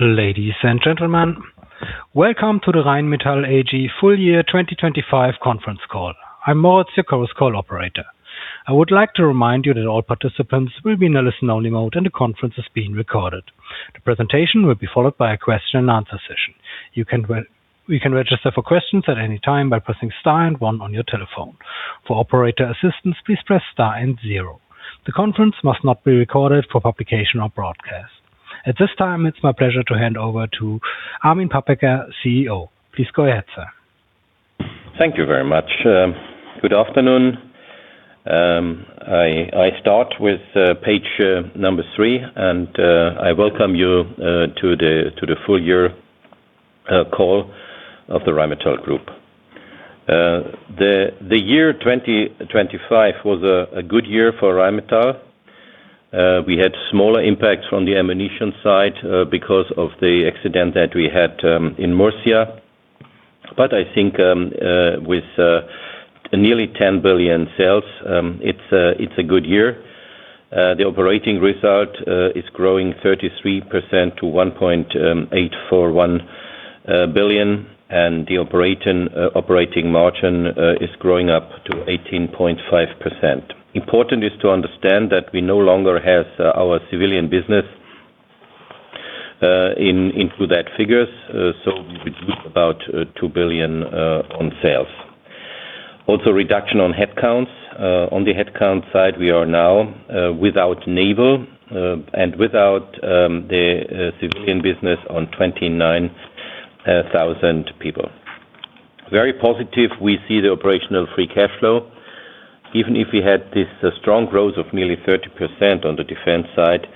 Ladies and gentlemen, welcome to the Rheinmetall AG full year 2025 conference call. I'm Moritz, your conference call operator. I would like to remind you that all participants will be in a listen-only mode, and the conference is being recorded. The presentation will be followed by a question and answer session. You can register for questions at any time by pressing star and one on your telephone. For operator assistance, please press star and zero. The conference must not be recorded for publication or broadcast. At this time, it's my pleasure to hand over to Armin Papperger, CEO. Please go ahead, sir. Thank you very much. Good afternoon. I start with page number three, and I welcome you to the full-year call of the Rheinmetall Group. The year 2025 was a good year for Rheinmetall. We had smaller impacts from the ammunition side because of the accident that we had in Murcia. I think with nearly 10 billion sales, it's a good year. The operating result is growing 33% to 1.841 billion, and the operating margin is growing up to 18.5%. Important is to understand that we no longer have our civilian business in those figures, so we lose about 2 billion on sales. Reduction on headcounts. On the headcount side, we are now without Naval and without the civilian business on 29,000 people. Very positive, we see the operational free cash flow. Even if we had this strong growth of nearly 30% on the defense side,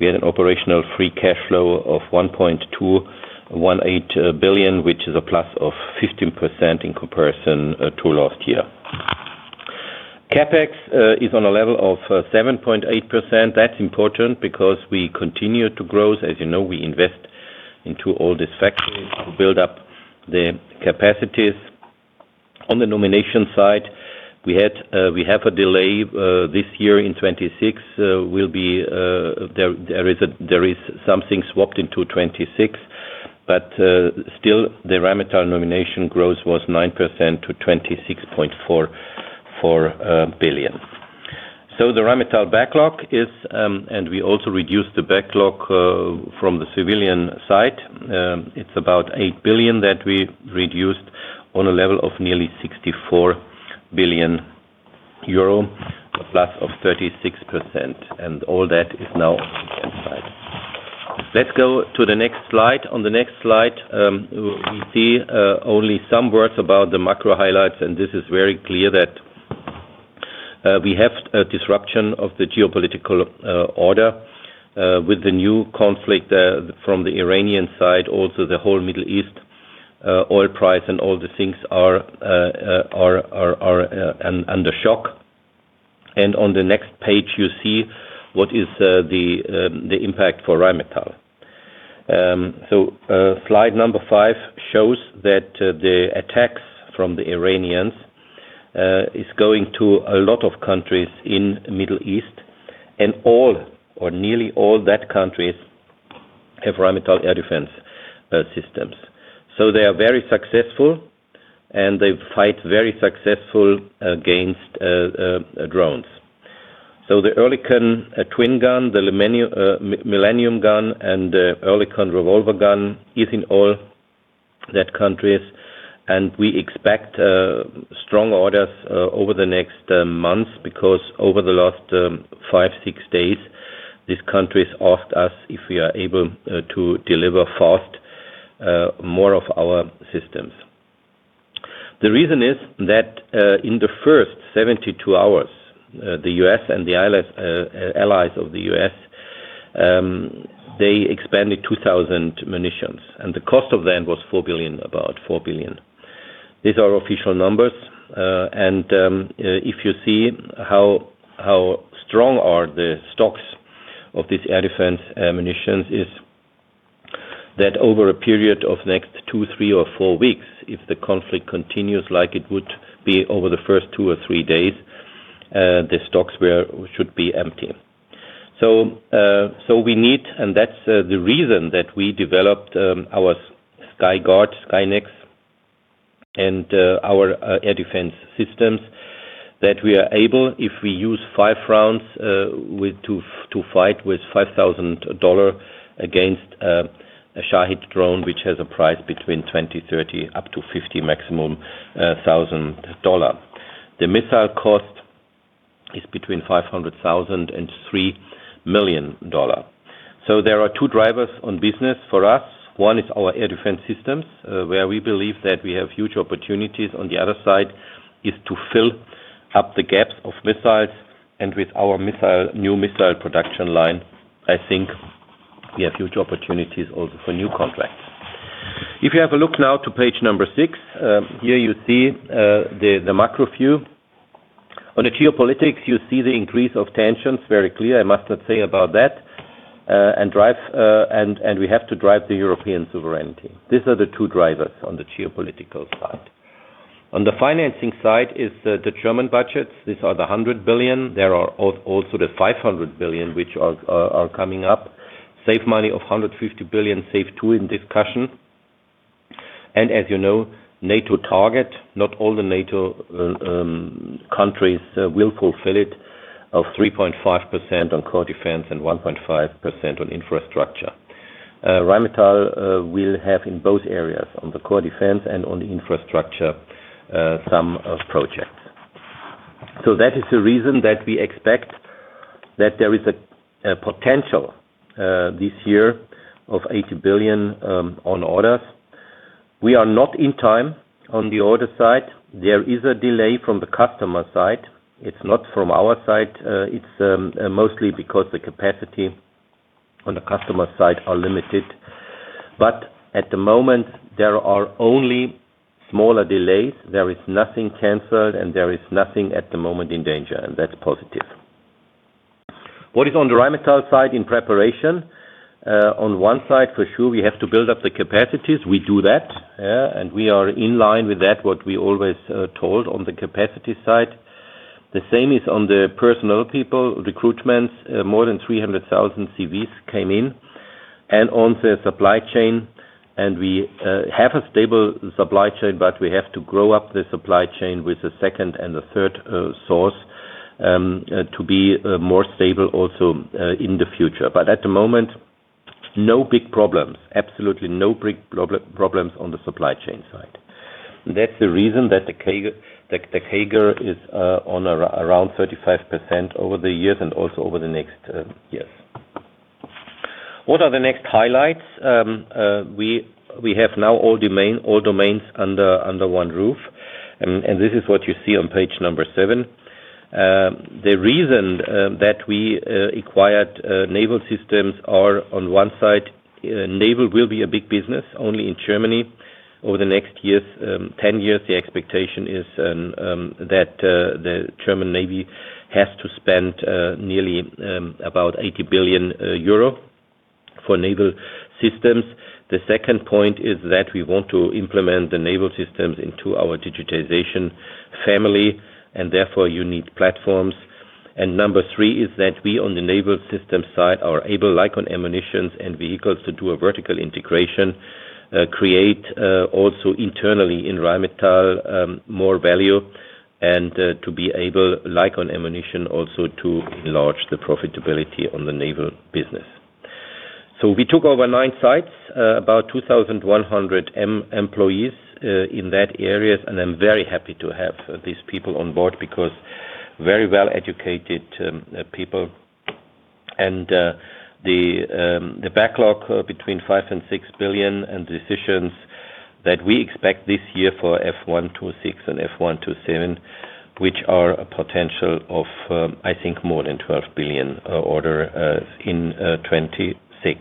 we had an operational free cash flow of 1.218 billion, which is a plus of 15% in comparison to last year. CapEx is on a level of 7.8%. That's important because we continue to grow. As you know, we invest into all these factories to build up the capacities. On the nomination side, we have a delay this year in 2026. There is something pushed into 2026, but still the Rheinmetall organic growth was 9% to EUR 26.44 billion. The Rheinmetall backlog, and we also reduced the backlog from the civilian side. It's about 8 billion that we reduced on a level of nearly 64 billion euro, a plus of 36%, and all that is now inside. Let's go to the next slide. On the next slide, we see only some words about the macro highlights, and this is very clear that we have a disruption of the geopolitical order with the new conflict from the Iranian side, also the whole Middle East, oil price and all the things are under shock. On the next page, you see what is the impact for Rheinmetall. Slide number five shows that the attacks from the Iranians is going to a lot of countries in Middle East and all or nearly all that countries have Rheinmetall air defense systems. They are very successful, and they fight very successful against drones. The Oerlikon twin gun, the Millennium Gun and the Oerlikon Revolver Gun is in all that countries. We expect strong orders over the next months because over the last five days, six days, these countries asked us if we are able to deliver fast more of our systems. The reason is that, in the first 72 hours, the U.S. and the allies of the U.S., they expanded 2,000 munitions, and the cost of them was 4 billion, about 4 billion. These are official numbers. If you see how strong are the stocks of these air defense ammunitions is that over a period of next two weeks, three weeks or four weeks, if the conflict continues like it would be over the first two days or three days, the stocks should be empty. We need, and that's the reason that we developed our Skyguard, Skynex and our air defense systems, that we are able, if we use five rounds with to fight with $5,000 against a Shahed drone, which has a price between 20, 30, up to 50 maximum, thousand dollar. The missile cost is between $500,000 and $3 million. There are two drivers on business for us. One is our air defense systems, where we believe that we have huge opportunities. On the other side is to fill up the gaps of missiles, and with our missile, new missile production line, I think we have huge opportunities also for new contracts. If you have a look now to page 6, here you see the macro view. On the geopolitics, you see the increase of tensions very clear. I must not say about that. We have to drive the European sovereignty. These are the two drivers on the geopolitical side. On the financing side is the German budget. These are the 100 billion. There are also the 500 billion, which are coming up. SAFE money of 150 billion, SAFE too in discussion. As you know, NATO target, not all the NATO countries will fulfill it, of 3.5% on core defense and 1.5% on infrastructure. Rheinmetall will have in both areas, on the core defense and on the infrastructure, some projects. That is the reason that we expect that there is a potential this year of 80 billion on orders. We are not in time on the order side. There is a delay from the customer side. It's not from our side, it's mostly because the capacity on the customer side are limited. At the moment, there are only smaller delays. There is nothing canceled, and there is nothing at the moment in danger, and that's positive. What is on the Rheinmetall side in preparation? On one side, for sure, we have to build up the capacities. We do that, yeah, and we are in line with that, what we always told on the capacity side. The same is on the personnel people, recruitments, more than 300,000 CVs came in and on the supply chain. We have a stable supply chain, but we have to grow up the supply chain with a second and a third source to be more stable also in the future. At the moment, no big problems. Absolutely no big problems on the supply chain side. That's the reason that the book-to-bill is around 35% over the years and also over the next years. What are the next highlights? We have now all domains under one roof. This is what you see on page number seven. The reason that we acquired Naval Systems are on one side, Naval will be a big business only in Germany over the next years. 10 years, the expectation is that the German Navy has to spend nearly about 80 billion euro for Naval Systems. The second point is that we want to implement the Naval Systems into our digitization family, and therefore, you need platforms. Number three is that we on the Naval Systems side are able, like on ammunitions and vehicles, to do a vertical integration, create also internally in Rheinmetall, more value, and to be able, like on ammunition, also to enlarge the profitability on the naval business. We took over 9 sites, about 2,100 employees, in that areas, and I'm very happy to have these people on board because very well-educated people. The backlog between 5 billion and 6 billion and decisions that we expect this year for F126 and F127, which are a potential of, I think more than 12 billion order in 2026.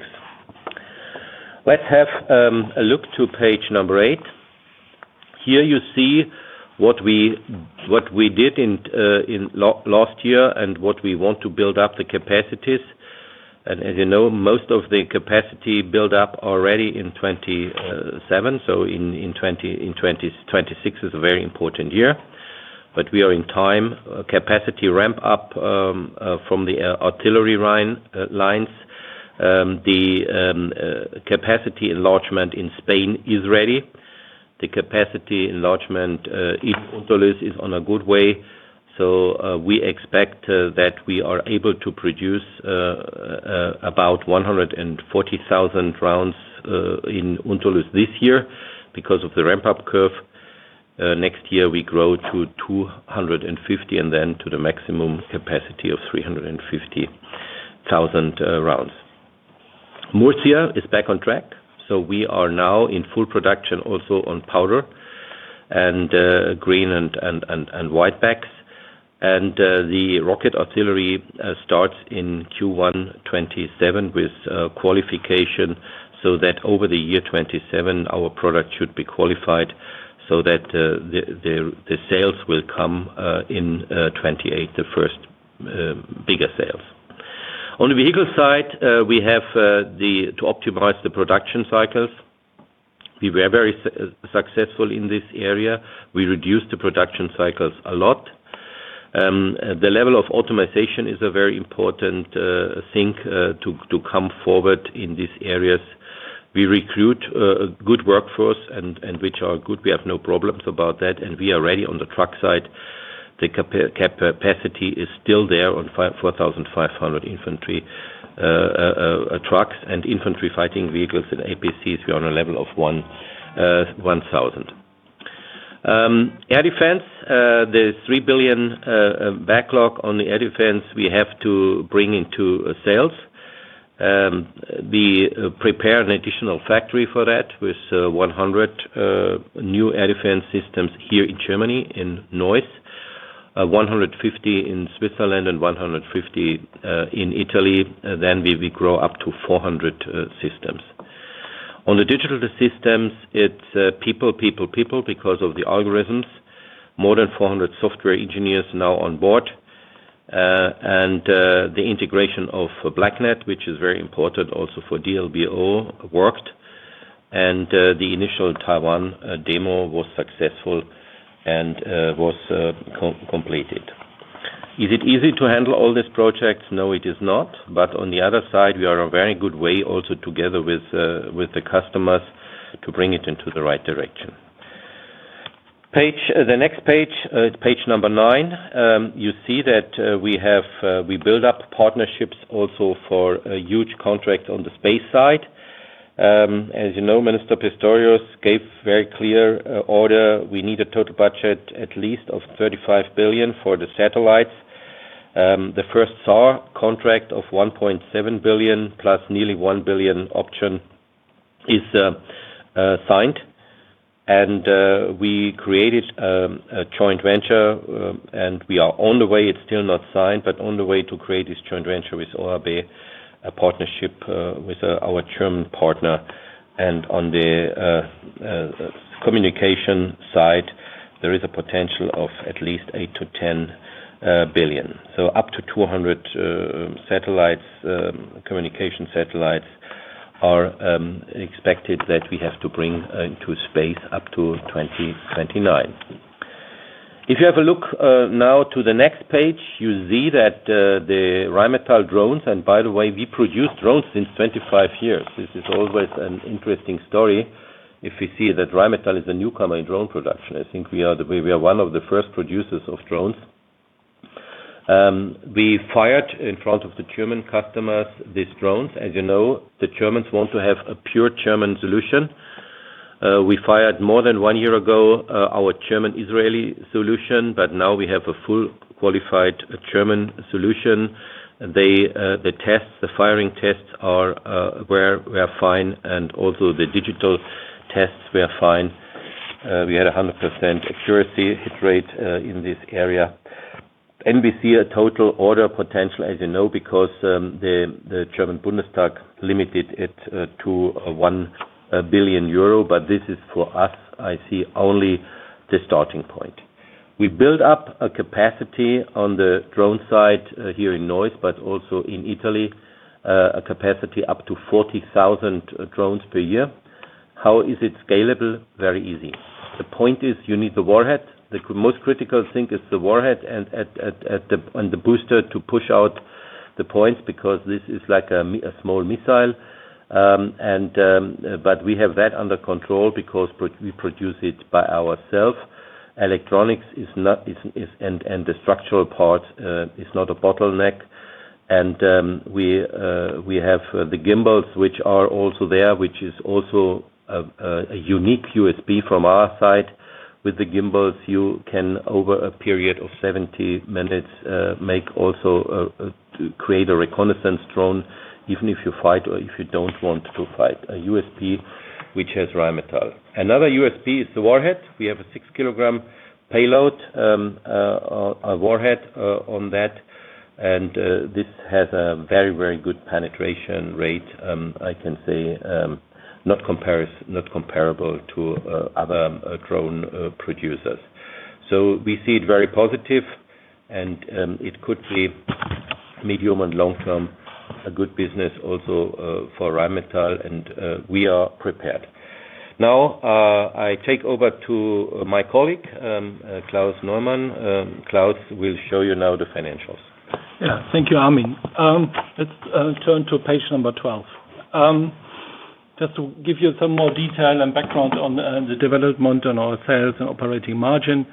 Let's have a look to page number eight. Here you see what we did in last year and what we want to build up the capacities. As you know, most of the capacity build up already in 2027. In 2026 is a very important year. We are in time. Capacity ramp up from the artillery Rhein lines. The capacity enlargement in Spain is ready. The capacity enlargement in Unterlüss is on a good way. We expect that we are able to produce about 140,000 rounds in Unterlüss this year because of the ramp-up curve. Next year, we grow to 250 and then to the maximum capacity of 350,000 rounds. Murcia is back on track, so we are now in full production also on powder and green and white packs. The rocket artillery starts in Q1 2027 with qualification, so that over the year 2027, our product should be qualified so that the sales will come in 2028, the first bigger sales. On the vehicle side, we have to optimize the production cycles. We were very successful in this area. We reduced the production cycles a lot. The level of automation is a very important thing to come forward in these areas. We recruit a good workforce and they are good. We have no problems about that. We are ready on the truck side. The capacity is still there on 54,500 infantry trucks and infantry fighting vehicles and APCs. We're on a level of 1,000. Air defense, there's 3 billion backlog on the air defense we have to bring into sales. We prepare an additional factory for that with 100 new air defense systems here in Germany, in Neuss, 150 in Switzerland and 150 in Italy, then we grow up to 400 systems. On the Digital Systems, it's people because of the algorithms. More than 400 software engineers now on board. The integration of blackned, which is very important also for D-LBO, worked, and the initial Taiwan demo was successful and was completed. Is it easy to handle all these projects? No, it is not. On the other side, we are a very good way also together with the customers to bring it into the right direction. The next page is page number nine. You see that we have built up partnerships also for a huge contract on the space side. As you know, Minister Pistorius gave very clear order. We need a total budget at least of 35 billion for the satellites. The first SAR contract of 1.7 billion plus nearly 1 billion option is signed. We created a joint venture, and we are on the way, it's still not signed, but on the way to create this joint venture with OHB, a partnership with our German partner. On the communication side, there is a potential of at least 8-10 billion. Up to 200 satellites, communication satellites are expected that we have to bring into space up to 2029. If you have a look now to the next page, you see that the Rheinmetall drones, and by the way, we produce drones since 25 years. This is always an interesting story. If you see that Rheinmetall is a newcomer in drone production, I think we are one of the first producers of drones. We fired in front of the German customers, these drones. As you know, the Germans want to have a pure German solution. We fired more than one year ago, our German Israeli solution, but now we have a fully qualified German solution. They, the tests, the firing tests were fine, and also the digital tests were fine. We had 100% accuracy rate in this area. We see a total order potential as you know, because the German Bundestag limited it to 1 billion euro, but this is for us, I see only the starting point. We build up a capacity on the drone side here in Neuss, but also in Italy, a capacity up to 40,000 drones per year. How is it scalable? Very easy. The point is you need the warhead. The most critical thing is the warhead and the booster to push out the points because this is like a small missile. But we have that under control because we produce it by ourselves. Electronics is not and the structural part is not a bottleneck. We have the gimbal which are also there, which is also a unique USP from our side. With the gimbal, you can, over a period of 70 minutes, make also to create a reconnaissance drone, even if you fight or if you don't want to fight a USP which has Rheinmetall. Another USP is the warhead. We have a 6-kilogram payload, a warhead, on that. This has a very, very good penetration rate, I can say, not comparable to other drone producers. We see it very positive and it could be medium and long term, a good business also for Rheinmetall, and we are prepared. Now, I take over to my colleague, Klaus Lellé. Klaus will show you now the financials. Yeah. Thank you, Armin. Let's turn to page 12. Just to give you some more detail and background on the development of our sales and operating margin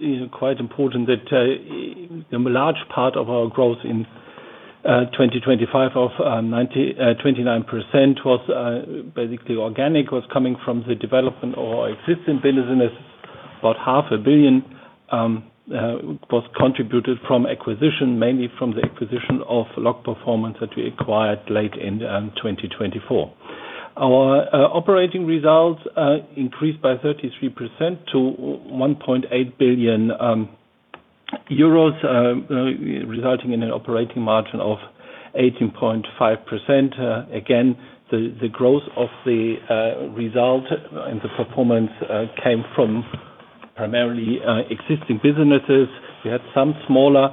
is quite important that a large part of our growth in 2025 of 29% was basically organic, coming from the development of existing businesses. About EUR half a billion was contributed from acquisition, mainly from the acquisition of LOC Performance that we acquired late in 2024. Our operating results increased by 33% to 1.8 billion euros, resulting in an operating margin of 18.5%. Again, the growth of the result and the performance came primarily from existing businesses. We had some smaller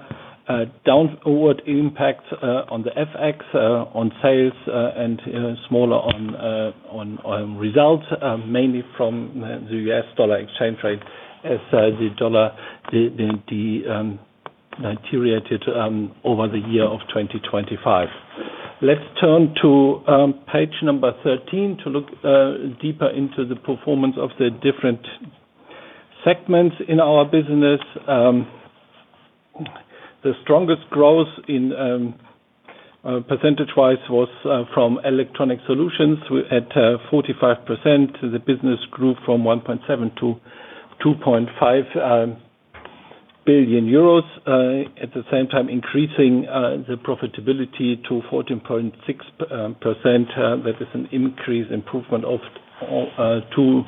downward impact on the FX on sales and smaller on results mainly from the U.S. dollar exchange rate as the dollar deteriorated over the year of 2025. Let's turn to page 13 to look deeper into the performance of the different segments in our business. The strongest growth percentage-wise was from Electronic Solutions at 45%. The business grew from 1.7 billion to 2.5 billion euros. At the same time increasing the profitability to 14.6%. That is an increase improvement of two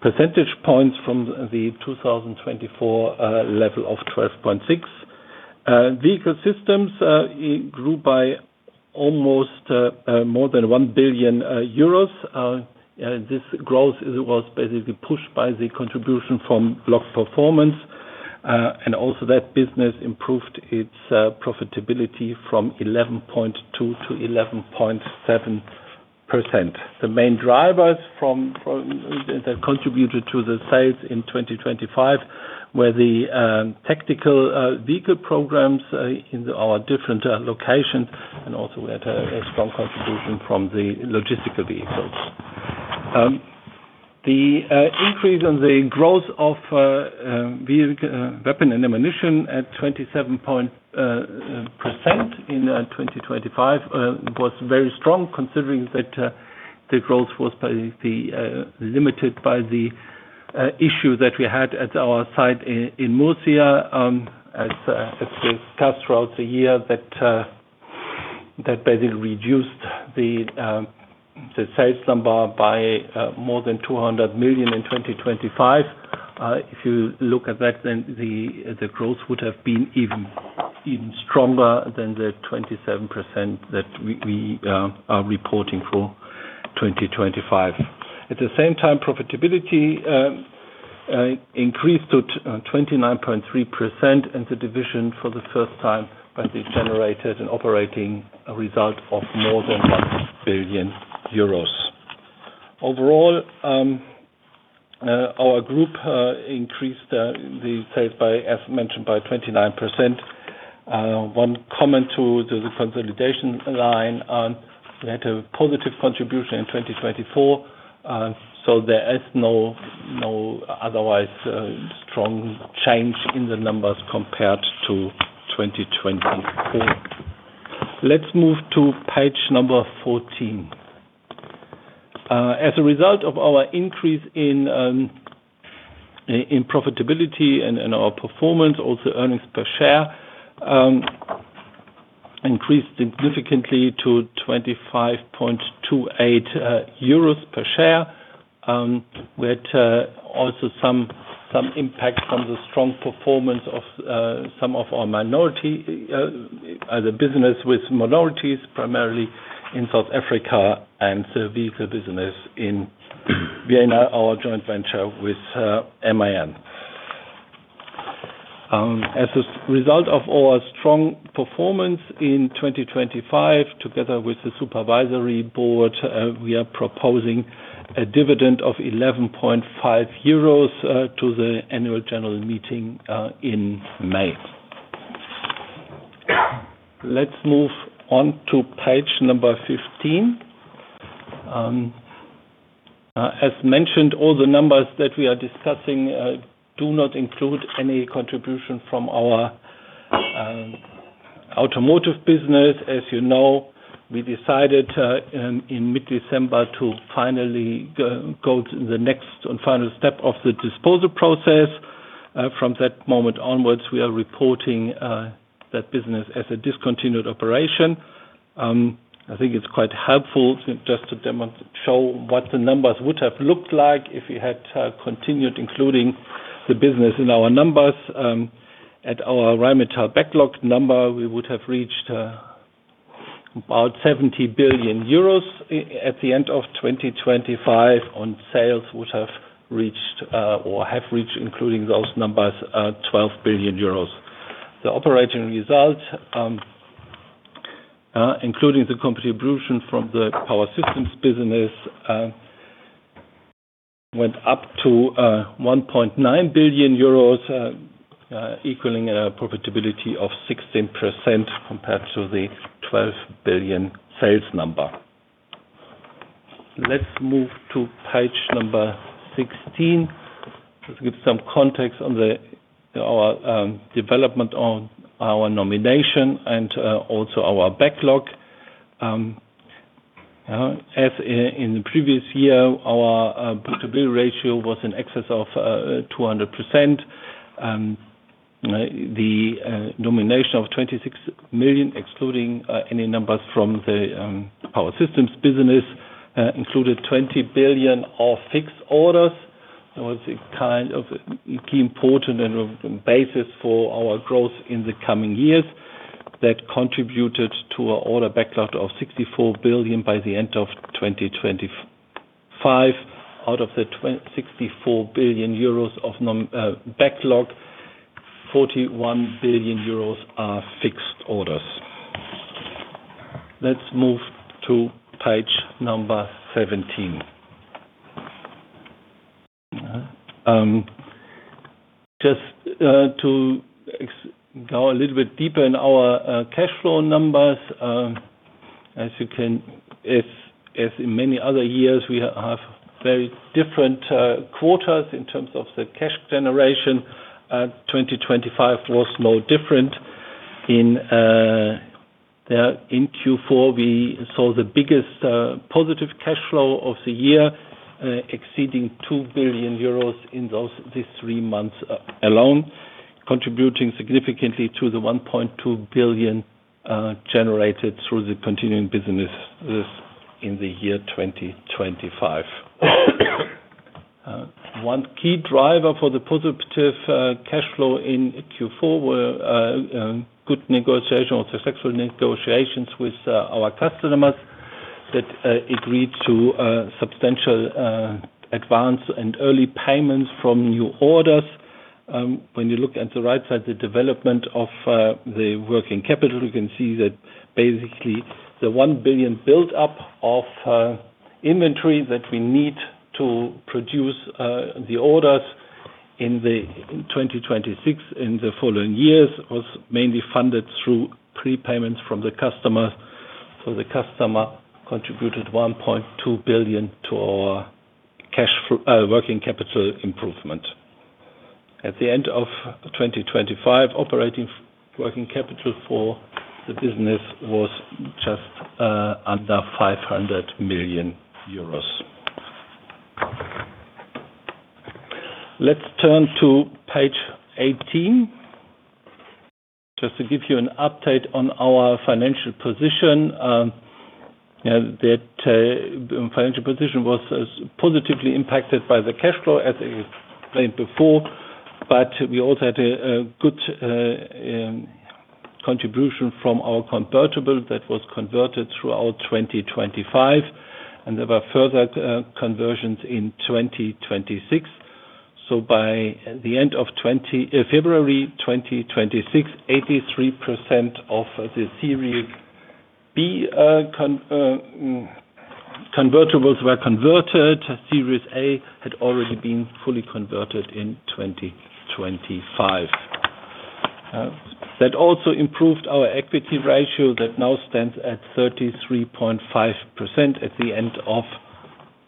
percentage points from the 2024 level of 12.6. Vehicle Systems grew by almost more than 1 billion euros. This growth was basically pushed by the contribution from LOC Performance. Also that business improved its profitability from 11.2%-11.7%. The main drivers that contributed to the sales in 2025 were the tactical vehicle programs in our different locations and also we had a strong contribution from the logistical vehicles. The increase in the growth of vehicle, weapon and ammunition at 27% in 2025 was very strong considering that the growth was limited by the issue that we had at our site in Murcia, as discussed throughout the year that basically reduced the sales number by more than 200 million in 2025. If you look at that, then the growth would have been even stronger than the 27% that we are reporting for 2025. At the same time, profitability increased to 29.3%, and the division for the first time basically generated an operating result of more than 1 billion euros. Overall, our group increased the sales by, as mentioned, by 29%. One comment to the consolidation line, we had a positive contribution in 2024, so there is no otherwise strong change in the numbers compared to 2024. Let's move to page 14. As a result of our increase in profitability and in our performance, also earnings per share increased significantly to 25.28 euros per share. We had also some impact from the strong performance of some of our minority the business with minorities, primarily in South Africa and the vehicle business in Vienna, our joint venture with MAN. As a result of our strong performance in 2025, together with the supervisory board, we are proposing a dividend of 11.5 euros to the annual general meeting in May. Let's move on to page 15. As mentioned, all the numbers that we are discussing do not include any contribution from our automotive business. As you know, we decided in mid-December to finally go to the next and final step of the disposal process. From that moment onwards, we are reporting that business as a discontinued operation. I think it's quite helpful just to demonstrate what the numbers would have looked like if we had continued including the business in our numbers. At our Rheinmetall backlog number, we would have reached about 70 billion euros at the end of 2025, and sales would have reached, or have reached, including those numbers, 12 billion euros. The operating result, including the contribution from the power systems business, went up to 1.9 billion euros, equaling a profitability of 16% compared to the 12 billion sales number. Let's move to page 16. This gives some context on our development on our nomination and also our backlog. As in the previous year, our book-to-bill ratio was in excess of 200%. The nomination of 26 billion, excluding any numbers from the Power Systems business, included 20 billion of fixed orders. That was a kind of key important basis for our growth in the coming years. That contributed to our order backlog of 64 billion by the end of 2025. Out of the 64 billion euros backlog, 41 billion euros are fixed orders. Let's move to page 17. Just to go a little bit deeper in our cash flow numbers. As in many other years, we have very different quarters in terms of the cash generation. 2025 was no different. In Q4, we saw the biggest positive cash flow of the year exceeding 2 billion euros in these three months alone, contributing significantly to the 1.2 billion generated through the continuing business in the year 2025. One key driver for the positive cash flow in Q4 were good negotiation or successful negotiations with our customers that agreed to substantial advance and early payments from new orders. When you look at the right side, the development of the working capital, you can see that basically the 1 billion build up of inventory that we need to produce the orders in 2026 and the following years was mainly funded through prepayments from the customer. The customer contributed 1.2 billion to our working capital improvement. At the end of 2025, operating working capital for the business was just under EUR 500 million. Let's turn to page 18. Just to give you an update on our financial position, you know, that financial position is positively impacted by the cash flow, as I explained before. We also had a good contribution from our convertible that was converted throughout 2025, and there were further conversions in 2026. By the end of February 2026, 83% of the Series B convertibles were converted. Series A had already been fully converted in 2025. That also improved our equity ratio that now stands at 33.5% at the end of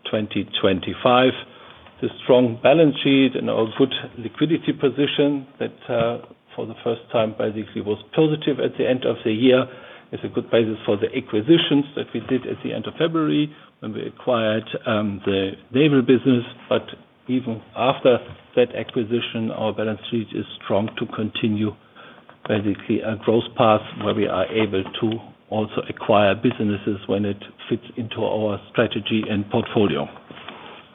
2025. The strong balance sheet and our good liquidity position that, for the first time basically was positive at the end of the year, is a good basis for the acquisitions that we did at the end of February when we acquired, the naval business. Even after that acquisition, our balance sheet is strong to continue basically a growth path where we are able to also acquire businesses when it fits into our strategy and portfolio.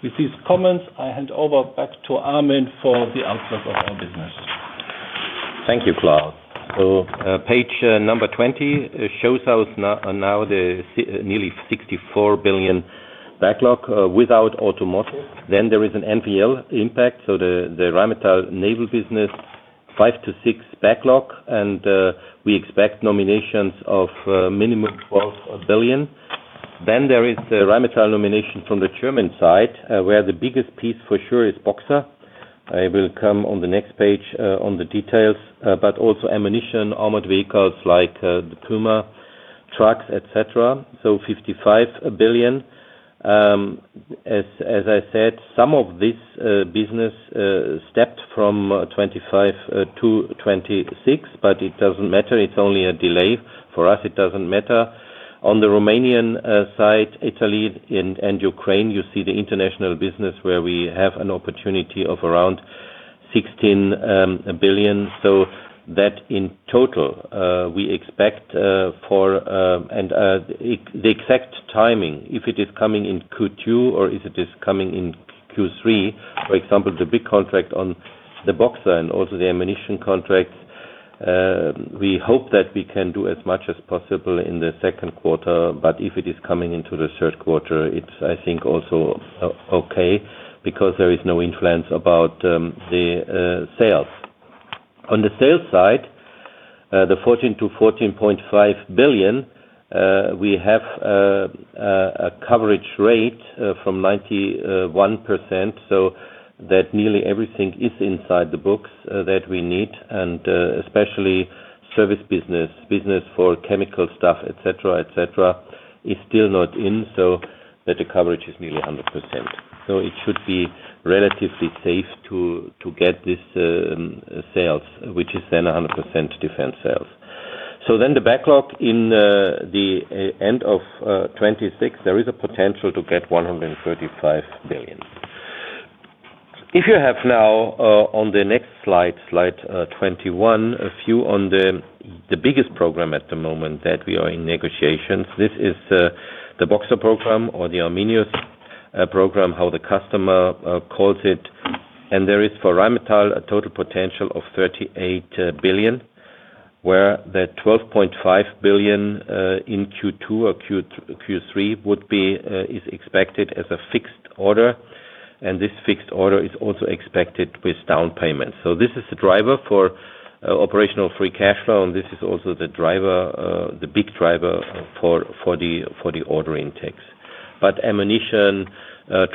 With these comments, I hand over back to Armin Papperger for the outlook of our business. Thank you, Klaus. Page number 20, it shows us now nearly 64 billion backlog without automotive. There is a naval impact, so the Rheinmetall naval business, 5-6 billion backlog and we expect nominations of minimum 12 billion. There is the Rheinmetall nomination from the German side, where the biggest piece for sure is Boxer. I will come on the next page on the details. Also ammunition, armored vehicles like the Puma trucks, et cetera. 55 billion. As I said, some of this business stepped from 2025 - 2026, but it doesn't matter. It is only a delay. For us, it doesn't matter. On the Romanian side, Italy and Ukraine, you see the international business where we have an opportunity of around 16 billion. In total, we expect the exact timing if it is coming in Q2 or if it is coming in Q3, for example, the big contract on the Boxer and also the ammunition contracts. We hope that we can do as much as possible in the second quarter, but if it is coming into the third quarter, it's I think also okay because there is no influence about the sales. On the sales side, the 14-14.5 billion, we have a coverage rate from 91%, so that nearly everything is inside the books that we need. Especially service business for chemical stuff, et cetera, et cetera, is still not in, so that the coverage is nearly 100%. It should be relatively safe to get this sales, which is then 100% defense sales. The backlog in the end of 2026, there is a potential to get 135 billion. If you have now on the next slide 21, a view on the biggest program at the moment that we are in negotiations. This is the Boxer program or the Carinus program, how the customer calls it. There is for Rheinmetall a total potential of 38 billion, where the 12.5 billion in Q2 or Q3 is expected as a fixed order, and this fixed order is also expected with down payments. This is the driver for operational free cash flow, and this is also the big driver for the order intakes. Ammunition,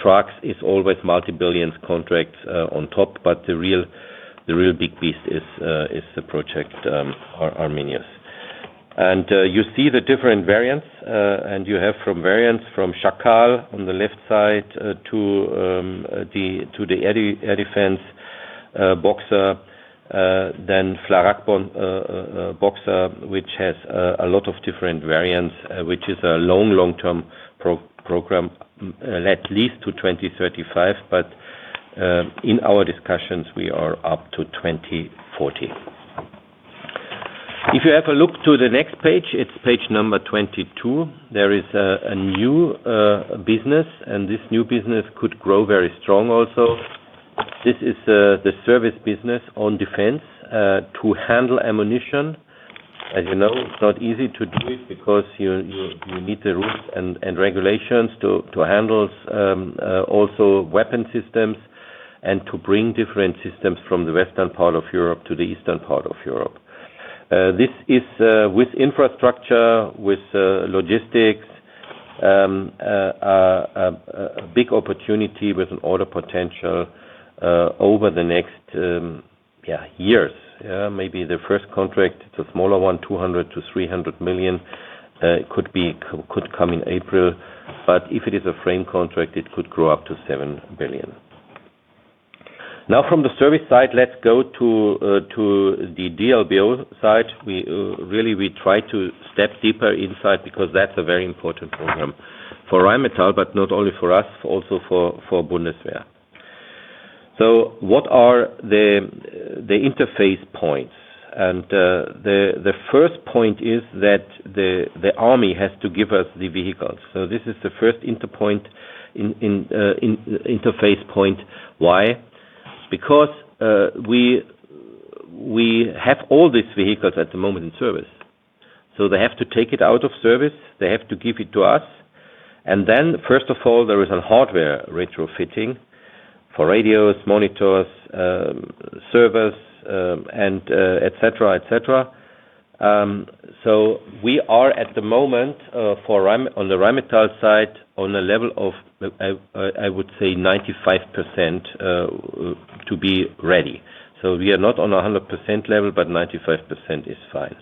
trucks is always multi-billion contracts on top, the real big beast is the project Carinus. You see the different variants, and you have variants from Caracal on the left side to the ARV IFV Boxer, then Flakpanzer Boxer, which has a lot of different variants, which is a long-term program at least to 2035. In our discussions, we are up to 2040. If you have a look to the next page, it's page number 22. There is a new business, and this new business could grow very strong also. This is the service business on defense to handle ammunition. As you know, it's not easy to do it because you need the rules and regulations to handle also weapon systems and to bring different systems from the western part of Europe to the eastern part of Europe. This is with infrastructure with logistics a big opportunity with an order potential over the next years. Maybe the first contract, it's a smaller one, 200 million-300 million. It could come in April, but if it is a framework contract, it could grow up to 7 billion. Now from the service side, let's go to the D-LBO side. We really try to step deeper inside because that's a very important program for Rheinmetall, but not only for us, also for Bundeswehr. What are the interface points? The first point is that the army has to give us the vehicles. This is the first interface point. Why? Because we have all these vehicles at the moment in service. They have to take it out of service, they have to give it to us. Then first of all, there is a hardware retrofitting for radios, monitors, servers, and et cetera. We are at the moment on the Rheinmetall side on a level of, I would say 95%, to be ready. We are not on a 100% level, but 95% is fine.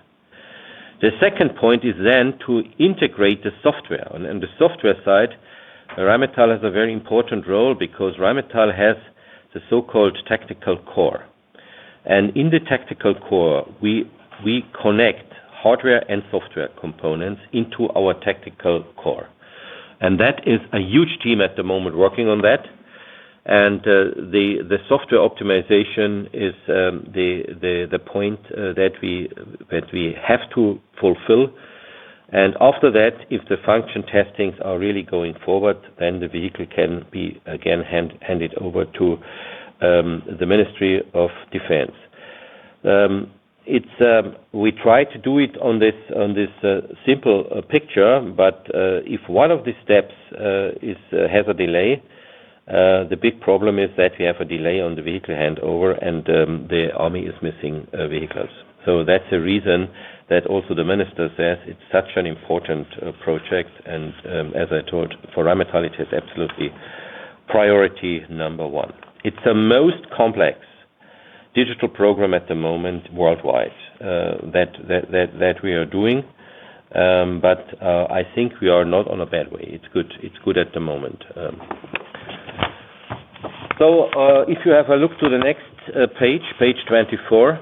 The second point is then to integrate the software. On the software side, Rheinmetall has a very important role because Rheinmetall has the so-called Tactical Core. In the Tactical Core, we connect hardware and software components into our Tactical Core. That is a huge team at the moment working on that. The software optimization is the point that we have to fulfill. After that, if the function testings are really going forward, then the vehicle can be again handed over to the Ministry of Defense. We try to do it on this simple picture, but if one of the steps has a delay, the big problem is that we have a delay on the vehicle handover and the army is missing vehicles. That's the reason that also the minister says it's such an important project. As I told, for Rheinmetall, it is absolutely priority number one. It's the most complex digital program at the moment worldwide that we are doing. I think we are not on a bad way. It's good. It's good at the moment. If you have a look at the next page 24,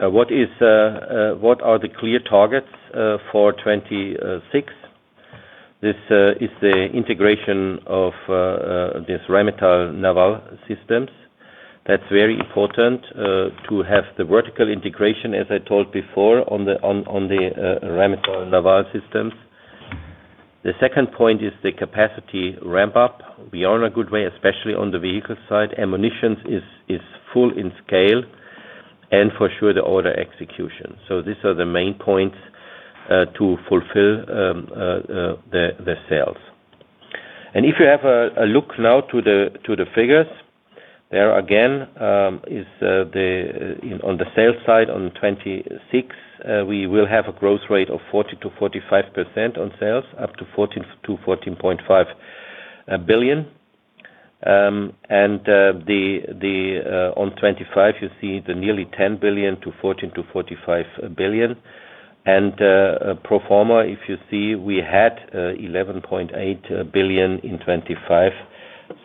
what are the clear targets for 2026? This is the integration of this Rheinmetall Naval Systems. That's very important to have the vertical integration, as I told before, on the Rheinmetall Naval Systems. The second point is the capacity ramp up. We are in a good way, especially on the vehicle side. Ammunition is full scale, and for sure, the order execution. These are the main points to fulfill the sales. If you have a look now to the figures, there again is on the sales side on 2026 we will have a growth rate of 40%-45% on sales, up to 14-14.5 billion. On 2025, you see nearly 10 billion to 14 to 45 billion. pro forma, if you see, we had 11.8 billion in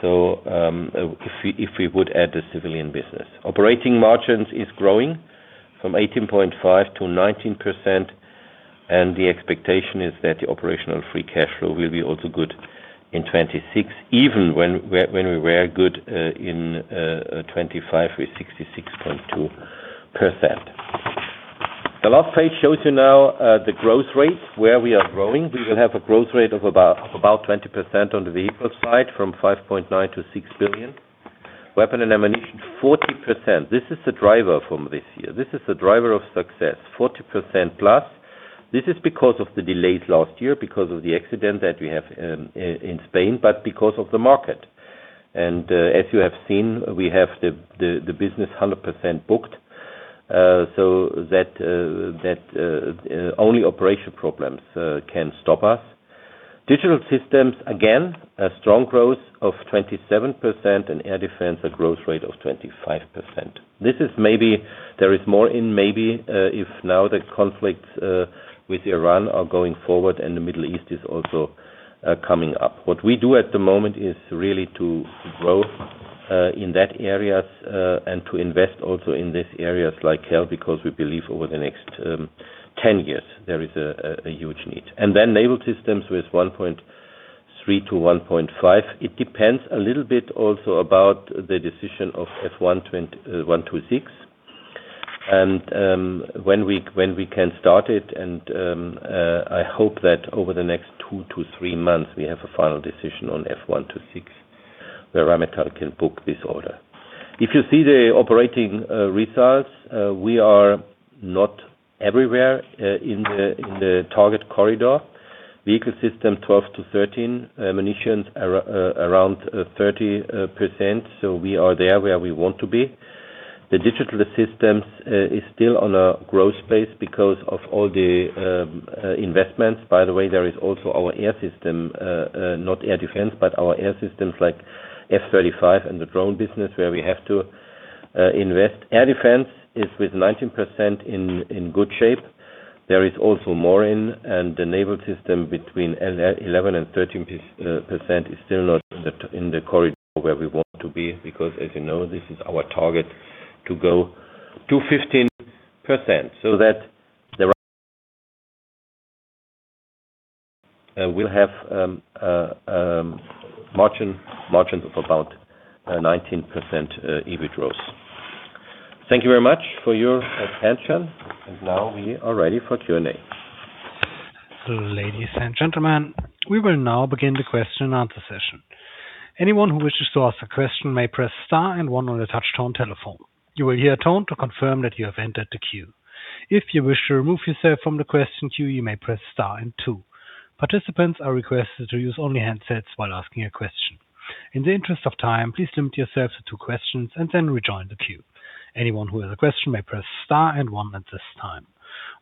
2025. If we would add the civilian business. Operating margins is growing from 18.5% - 19%, and the expectation is that the operational free cash flow will be also good in 2026, even when we were good in 2025 with 66.2%. The last page shows you now the growth rates, where we are growing. We will have a growth rate of about 20% on the vehicle side from 5.9 billion to 6 billion. Weapon and ammunition, 40%. This is the driver from this year. This is the driver of success, 40%+. This is because of the delays last year because of the accident that we have in Spain, but because of the market. As you have seen, we have the business 100% booked, so that only operational problems can stop us. Digital Systems, again, a strong growth of 27%, and air defense, a growth rate of 25%. This is maybe there is more in maybe, if now the conflicts with Iran are going forward and the Middle East is also coming up. What we do at the moment is really to grow in those areas and to invest also in these areas like hell, because we believe over the next 10 years, there is a huge need. Then Naval Systems with 1.3-1.5. It depends a little bit also about the decision of F-126, and when we can start it. I hope that over the next 2-3 months, we have a final decision on F-126, where Rheinmetall can book this order. If you see the operating results, we are not everywhere in the target corridor. Vehicle Systems 12%-13%. Ammunitions around 30%, so we are there where we want to be. The Digital Systems is still on a growth phase because of all the investments. By the way, there is also our air systems, not air defense, but our air systems like F-35 and the drone business where we have to invest. Air defense is with 19% in good shape. There is also margin in the Naval Systems between 11%-13% is still not in the corridor where we want to be, because as you know, this is our target to go to 15%, so that we'll have margin of about 19% EBIT growth. Thank you very much for your attention. Now we are ready for Q&A. Ladies and gentlemen, we will now begin the question and answer session. Anyone who wishes to ask a question may press star and one on their touchtone telephone. You will hear a tone to confirm that you have entered the queue. If you wish to remove yourself from the question queue, you may press star and two. Participants are requested to use only handsets while asking a question. In the interest of time, please limit yourselves to two questions and then rejoin the queue. Anyone who has a question may press star and one at this time.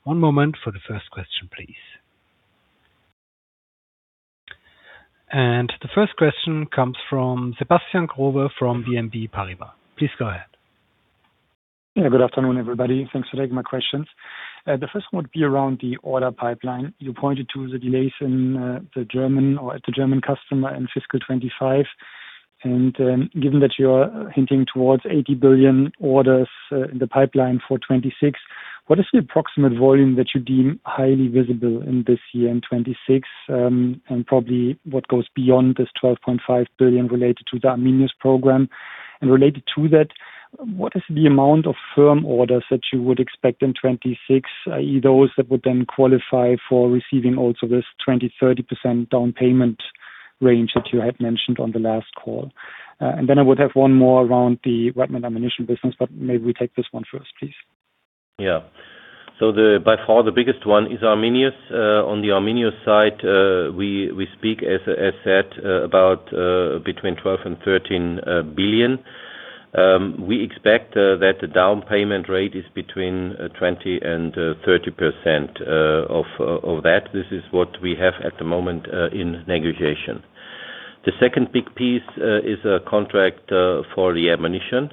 One moment for the first question, please. The first question comes from Sebastian Growe from BNP Paribas. Please go ahead. Good afternoon, everybody. Thanks for taking my questions. The first one would be around the order pipeline. You pointed to the delays in the German order at the German customer in fiscal 2025. Given that you're hinting towards 80 billion orders in the pipeline for 2026, what is the approximate volume that you deem highly visible in this year in 2026? And probably what goes beyond this 12.5 billion related to the Carinus program. Related to that, what is the amount of firm orders that you would expect in 2026, those that would then qualify for receiving also this 20%-30% down payment range that you had mentioned on the last call? Then I would have one more around the weapons and ammunition business, but maybe we take this one first, please. The by far the biggest one is Carinus. On the Carinus side, we speak, as said, about between 12 billion and 13 billion. We expect that the down payment rate is between 20% and 30% of that. This is what we have at the moment in negotiation. The second big piece is a contract for the ammunition.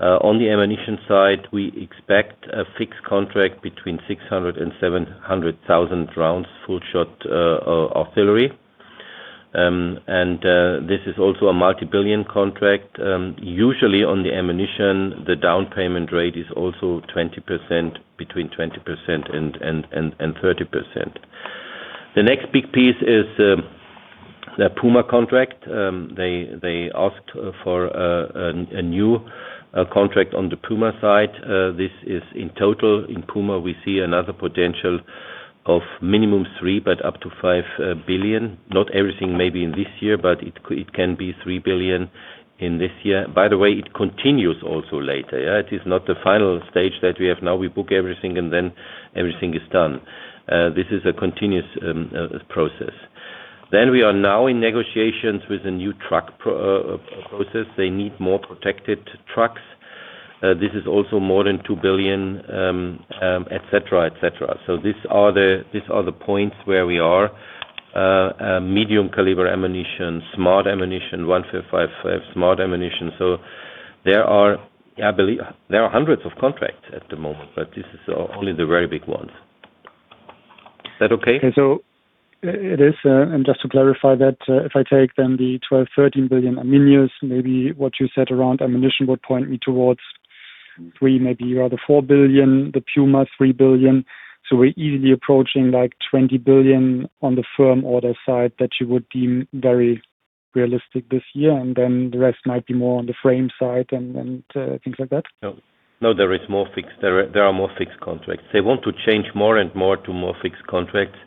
On the ammunition side, we expect a fixed contract between 600,000 and 700,000 rounds, full -shot artillery. This is also a multi-billion contract. Usually on the ammunition, the down payment rate is also 20%, between 20% and 30%. The next big piece is the Puma contract. They asked for a new contract on the Puma side. This is in total. In Puma, we see another potential of minimum 3 billion, but up to 5 billion. Not everything may be in this year, but it can be 3 billion in this year. By the way, it continues also later, yeah. It is not the final stage that we have now. We book everything and then everything is done. This is a continuous process. We are now in negotiations with a new truck process. They need more protected trucks. This is also more than 2 billion, etc., etc. These are the points where we are. Medium caliber ammunition, smart ammunition, 155 smart ammunition. There are, I believe, hundreds of contracts at the moment, but this is only the very big ones. Is that okay? Okay. It is, and just to clarify that, if I take then the 12-13 billion Carinus, maybe what you said around ammunition would point me towards 3, maybe rather 4 billion, the Puma, 3 billion. We're easily approaching like 20 billion on the firm order side that you would deem very realistic this year. Then the rest might be more on the frame side and things like that. No, there is more fixed. There are more fixed contracts. They want to change more and more to more fixed contracts.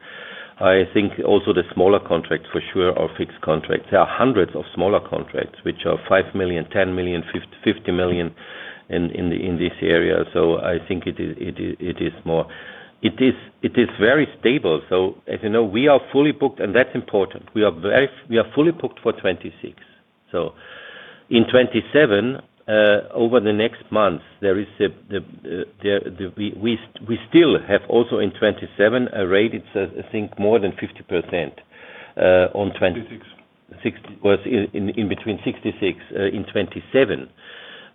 I think also the smaller contracts for sure are fixed contracts. There are hundreds of smaller contracts which are 5 million, 10 million, 50 million in this area. I think it is more. It is very stable. As you know, we are fully booked, and that's important. We are fully booked for 2026. In 2027, over the next months, there is the, we still have also in 2027 a rate. It's I think more than 50%, on- Sixty-six.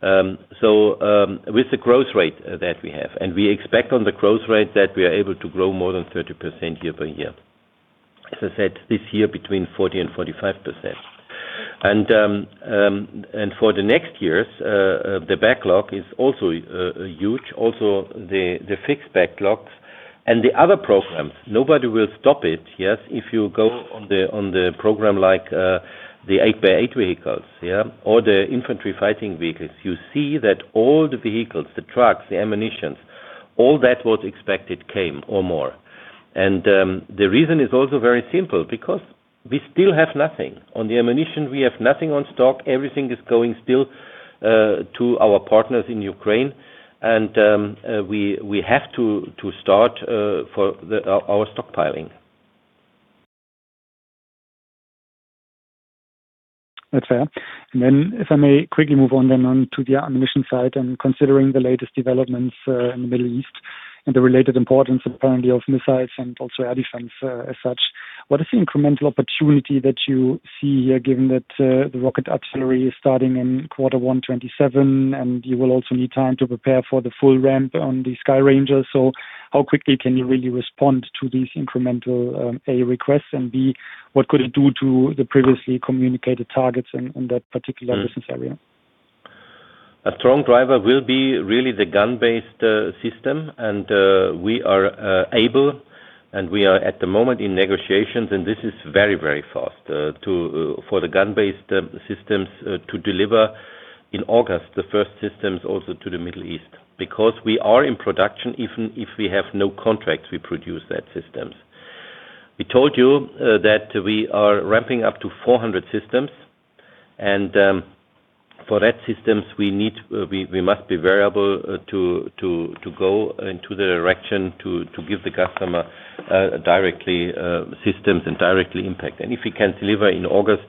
With the growth rate that we have and we expect on the growth rate that we are able to grow more than 30% year by year. As I said, this year between 40% and 45%. For the next years, the backlog is also huge, also the fixed backlogs and the other programs, nobody will stop it. Yes. If you go on the program like the 8x8 vehicles, yeah, or the infantry fighting vehicles, you see that all the vehicles, the trucks, the ammunition, all that was expected came or more. The reason is also very simple, because we still have nothing. On the ammunition, we have nothing in stock. Everything is still going to our partners in Ukraine. We have to start our stockpiling. That's fair. Then if I may quickly move on then on to the ammunition side and considering the latest developments, in the Middle East and the related importance apparently of missiles and also air defense, as such. What is the incremental opportunity that you see here, given that, the rocket artillery is starting in quarter 1 2027, and you will also need time to prepare for the full ramp on the Oerlikon Skyranger. How quickly can you really respond to these incremental, A, requests, and B, what could it do to the previously communicated targets in that particular business area? A strong driver will be really the gun-based system. We are able and we are at the moment in negotiations, and this is very fast to for the gun-based systems to deliver in August, the first systems also to the Middle East, because we are in production even if we have no contracts, we produce that systems. We told you that we are ramping up to 400 systems and for that systems we need we must be variable to go into the direction to give the customer directly systems and directly impact. If we can deliver in August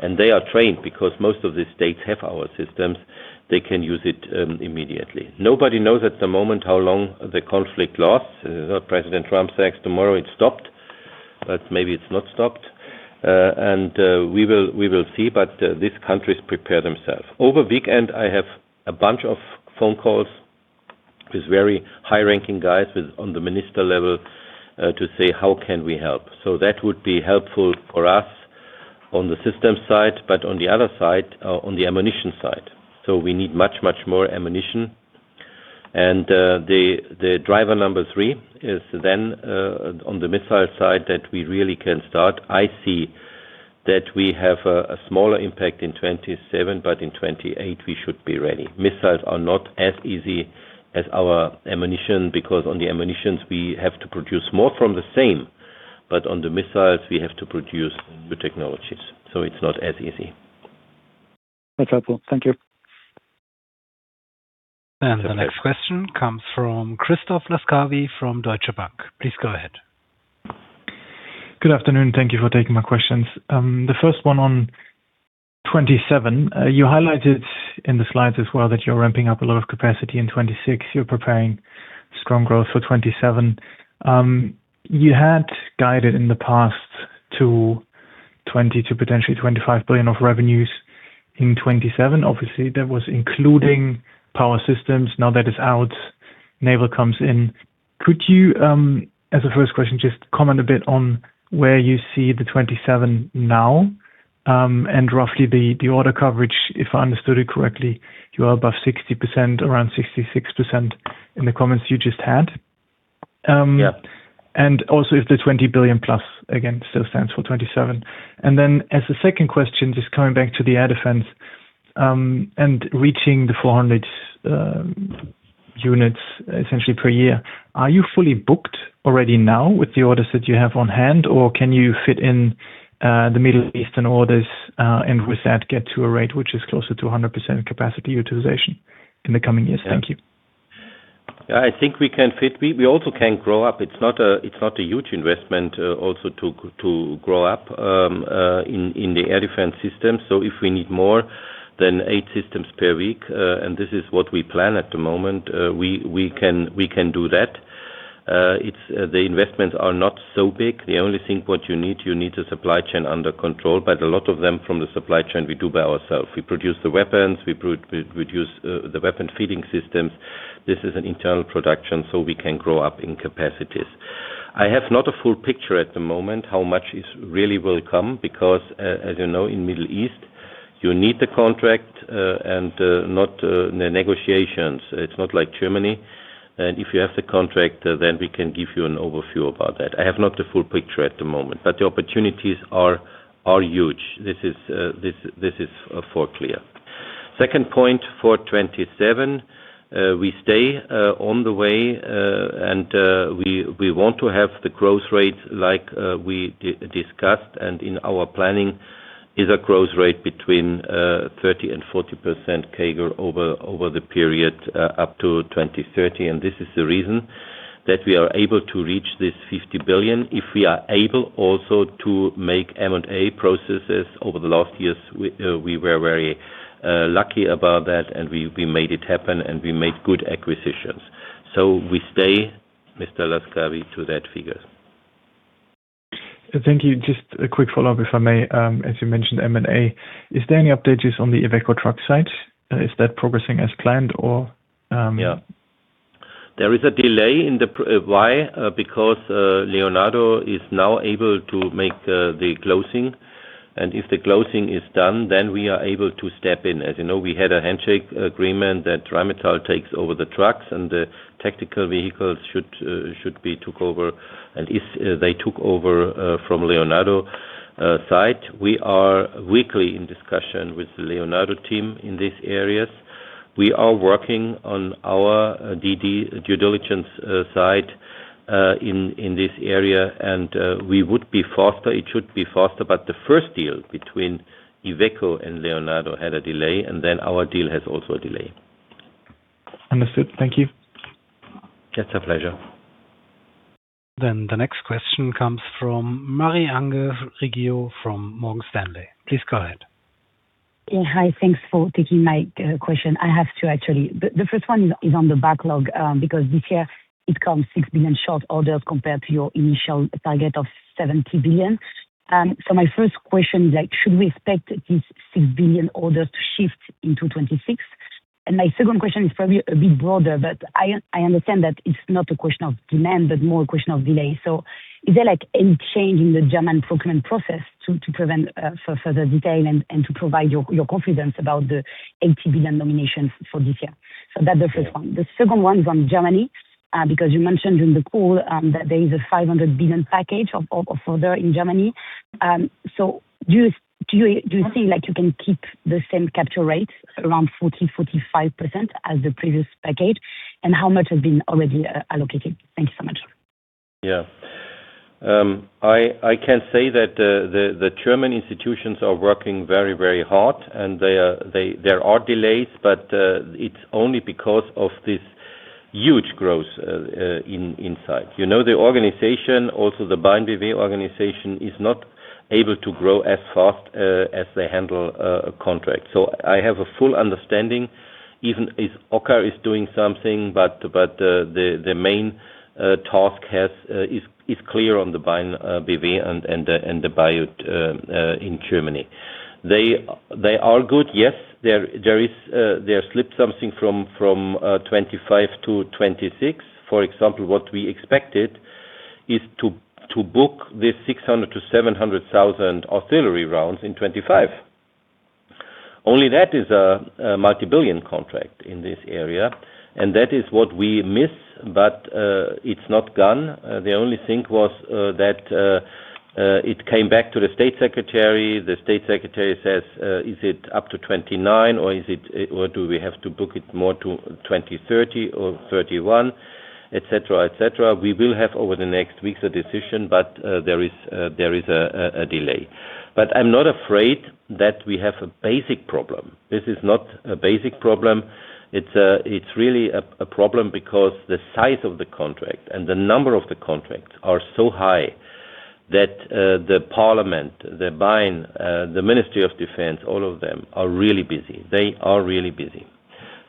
and they are trained because most of the states have our systems, they can use it immediately. Nobody knows at the moment how long the conflict lasts. Donald Trump says tomorrow it stopped, but maybe it's not stopped. We will see. These countries prepare themselves. Over the weekend, I have a bunch of phone calls with very high-ranking guys with, on the minister level, to say, "How can we help?" That would be helpful for us on the system side, but on the other side, on the ammunition side. We need much more ammunition. The driver number three is then on the missile side that we really can start. I see that we have a smaller impact in 2027, but in 2028 we should be ready. Missiles are not as easy as our ammunition because on the ammunition we have to produce more from the same, but on the missiles we have to produce new technologies, so it's not as easy. That's helpful. Thank you. The next question comes from Christoph Laskawi from Deutsche Bank. Please go ahead. Good afternoon. Thank you for taking my questions. The first one on 2027, you highlighted in the slides as well that you're ramping up a lot of capacity in 2026. You're preparing strong growth for 2027. You had guided in the past to 20 to potentially 25 billion of revenues in 2027. Obviously, that was including Power Systems. Now that is out, naval comes in. Could you, as a first question, just comment a bit on where you see the 2027 now, and roughly the order coverage, if I understood it correctly, you are above 60%, around 66% in the comments you just had. Yeah. Also, if the 20 billion plus again still stands for 2027. Then, as a second question, just coming back to the air defense, and reaching the 400 units essentially per year. Are you fully booked already now with the orders that you have on hand, or can you fit in the Middle Eastern orders, and with that get to a rate which is closer to a 100% capacity utilization in the coming years? Thank you. Yeah, I think we can fit. We also can grow up. It's not a huge investment, also to grow up in the air defense system. If we need more than eight systems per week, and this is what we plan at the moment, we can do that. It's the investments are not so big. The only thing what you need, you need a supply chain under control, but a lot of them from the supply chain we do by ourself. We produce the weapons, we produce the weapon feeding systems. This is an internal production, so we can grow up in capacities. I have not a full picture at the moment how much really will come because as you know, in Middle East, you need the contract, and not the negotiations. It's not like Germany. If you have the contract, then we can give you an overview about that. I have not the full picture at the moment, but the opportunities are huge. This is for sure. Second point for 2027, we stay on the way, and we want to have the growth rate like we discussed and in our planning is a growth rate between 30% and 40% CAGR over the period up to 2030. This is the reason that we are able to reach this 50 billion if we are able also to make M&A processes. Over the last years, we were very lucky about that and we made it happen and we made good acquisitions. We stay, Mr. Laskawi, to that figure. Thank you. Just a quick follow-up if I may. As you mentioned M&A, is there any updates on the Iveco truck site? Is that progressing as planned or, There is a delay. Why? Because Leonardo is now able to make the closing, and if the closing is done, then we are able to step in. As you know, we had a handshake agreement that Rheinmetall takes over the trucks and the tactical vehicles should be took over. And if they took over from Leonardo side, we are weekly in discussion with the Leonardo team in these areas. We are working on our DD, due diligence, side in this area. We would be faster. It should be faster, but the first deal between Iveco and Leonardo had a delay, and then our deal has also a delay. Understood. Thank you. That's a pleasure. The next question comes from Marie-Ange Riggio from Morgan Stanley. Please go ahead. Yeah. Hi. Thanks for taking my question. I have two, actually. The first one is on the backlog, because this year it comes 6 billion short of orders compared to your initial target of 70 billion. My first question is like, should we expect this 6 billion orders to shift in 2026? And my second question is probably a bit broader, but I understand that it's not a question of demand, but more a question of delay. Is there like any change in the German procurement process to prevent further delay and to provide your confidence about the 80 billion nominations for this year? That's the first one. The second one is on Germany, because you mentioned in the call that there is a 500 billion package of orders in Germany. Do you think, like, you can keep the same capture rates around 40%-45% as the previous package? How much has been already allocated? Thank you so much. Yeah. I can say that the German institutions are working very, very hard, and there are delays, but it's only because of this huge growth inside. You know, the organization, also the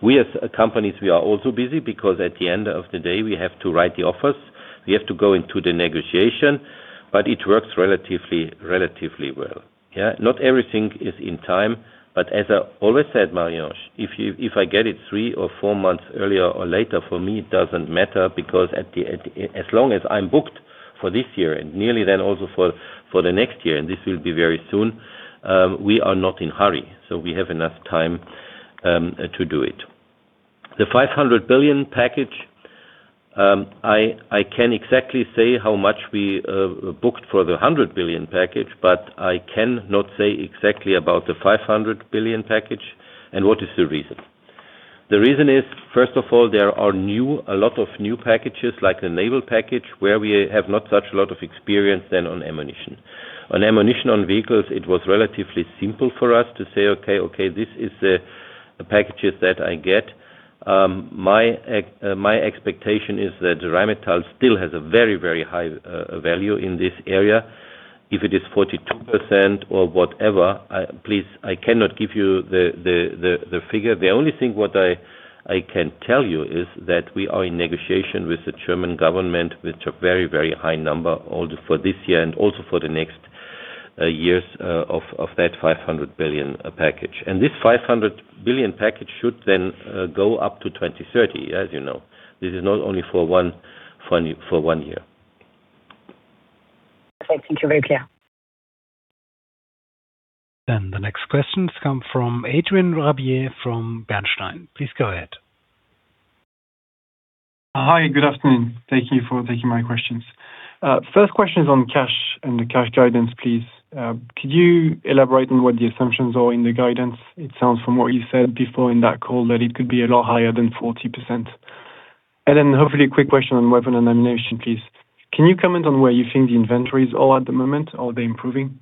BAAINBw. Thank you. Very clear. The next questions come from Adrien Rabier from Bernstein. Please go ahead. Hi. Good afternoon. Thank you for taking my questions. First question is on cash and the cash guidance, please. Could you elaborate on what the assumptions are in the guidance? It sounds from what you said before in that call that it could be a lot higher than 40%. Then hopefully a quick question on Weapon and Ammunition, please. Can you comment on where you think the inventories are at the moment? Are they improving?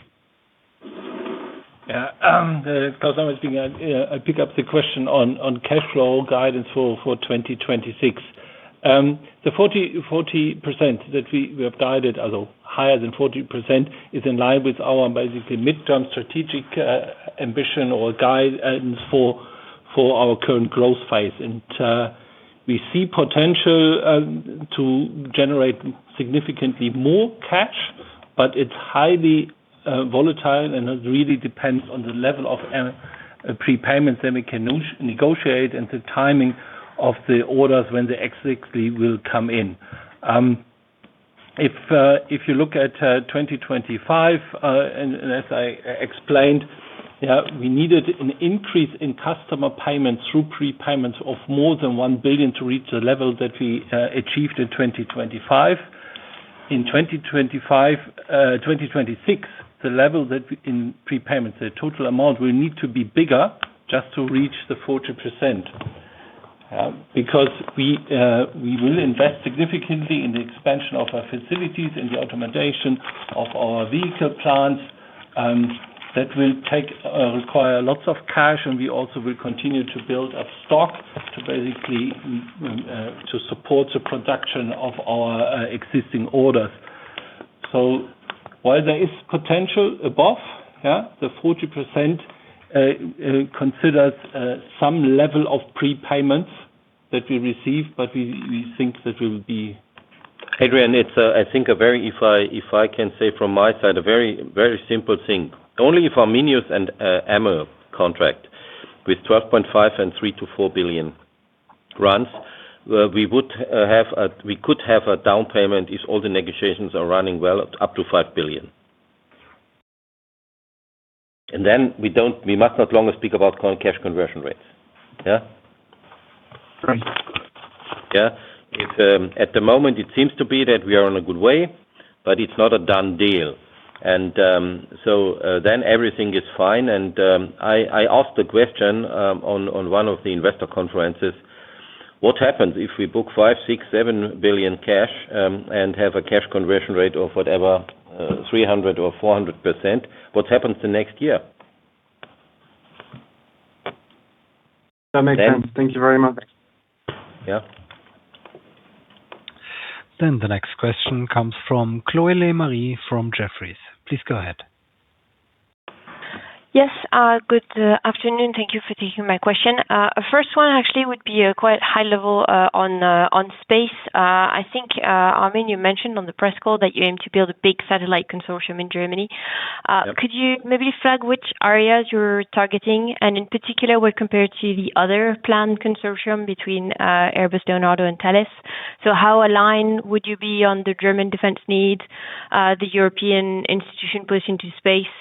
Yeah. Because I was thinking I pick up the question on cash flow guidance for 2026. The 40% that we have guided, although higher than 40%, is in line with our basically midterm strategic ambition or guide and for our current growth phase. We see potential to generate significantly more cash It's highly volatile, and it really depends on the level of prepayments that we can negotiate and the timing of the orders when the cash will come in. If you look at 2025, and as I explained, we needed an increase in customer payments through prepayments of more than 1 billion to reach the level that we achieved in 2025. In 2025, 2026, in prepayments, the total amount will need to be bigger just to reach the 40%, because we will invest significantly in the expansion of our facilities, in the automation of our vehicle plants, that will require lots of cash, and we also will continue to build up stock to basically support the production of our existing orders. While there is potential above the 40%, considers some level of prepayments that we receive, but we think that we'll be- Adrien, it's, I think, a very, if I can say from my side, a very, very simple thing. Only if Carinus and ammo contract with EUR 12.5 billion and 3-4 billion euros, we could have a down payment if all the negotiations are running well up to 5 billion. Then we don't, we must no longer speak about current cash conversion rates, yeah? Right. Yeah. At the moment, it seems to be that we are on a good way, but it's not a done deal. Everything is fine. I asked the question on one of the investor conferences, what happens if we book 5 billion, 6 billion, 7 billion cash and have a cash conversion rate of whatever 300% or 400%, what happens the next year? That makes sense. Then- Thank you very much. Yeah. The next question comes from Chloé Lemarié from Jefferies. Please go ahead. Yes, good afternoon. Thank you for taking my question. First one actually would be a quite high level on space. I think, Armin, you mentioned on the press call that you aim to build a big satellite consortium in Germany. Yeah. Could you maybe flag which areas you're targeting, and in particular, where compared to the other planned consortium between Airbus, Leonardo, and Thales? How aligned would you be on the German defense needs, the European institution push into space?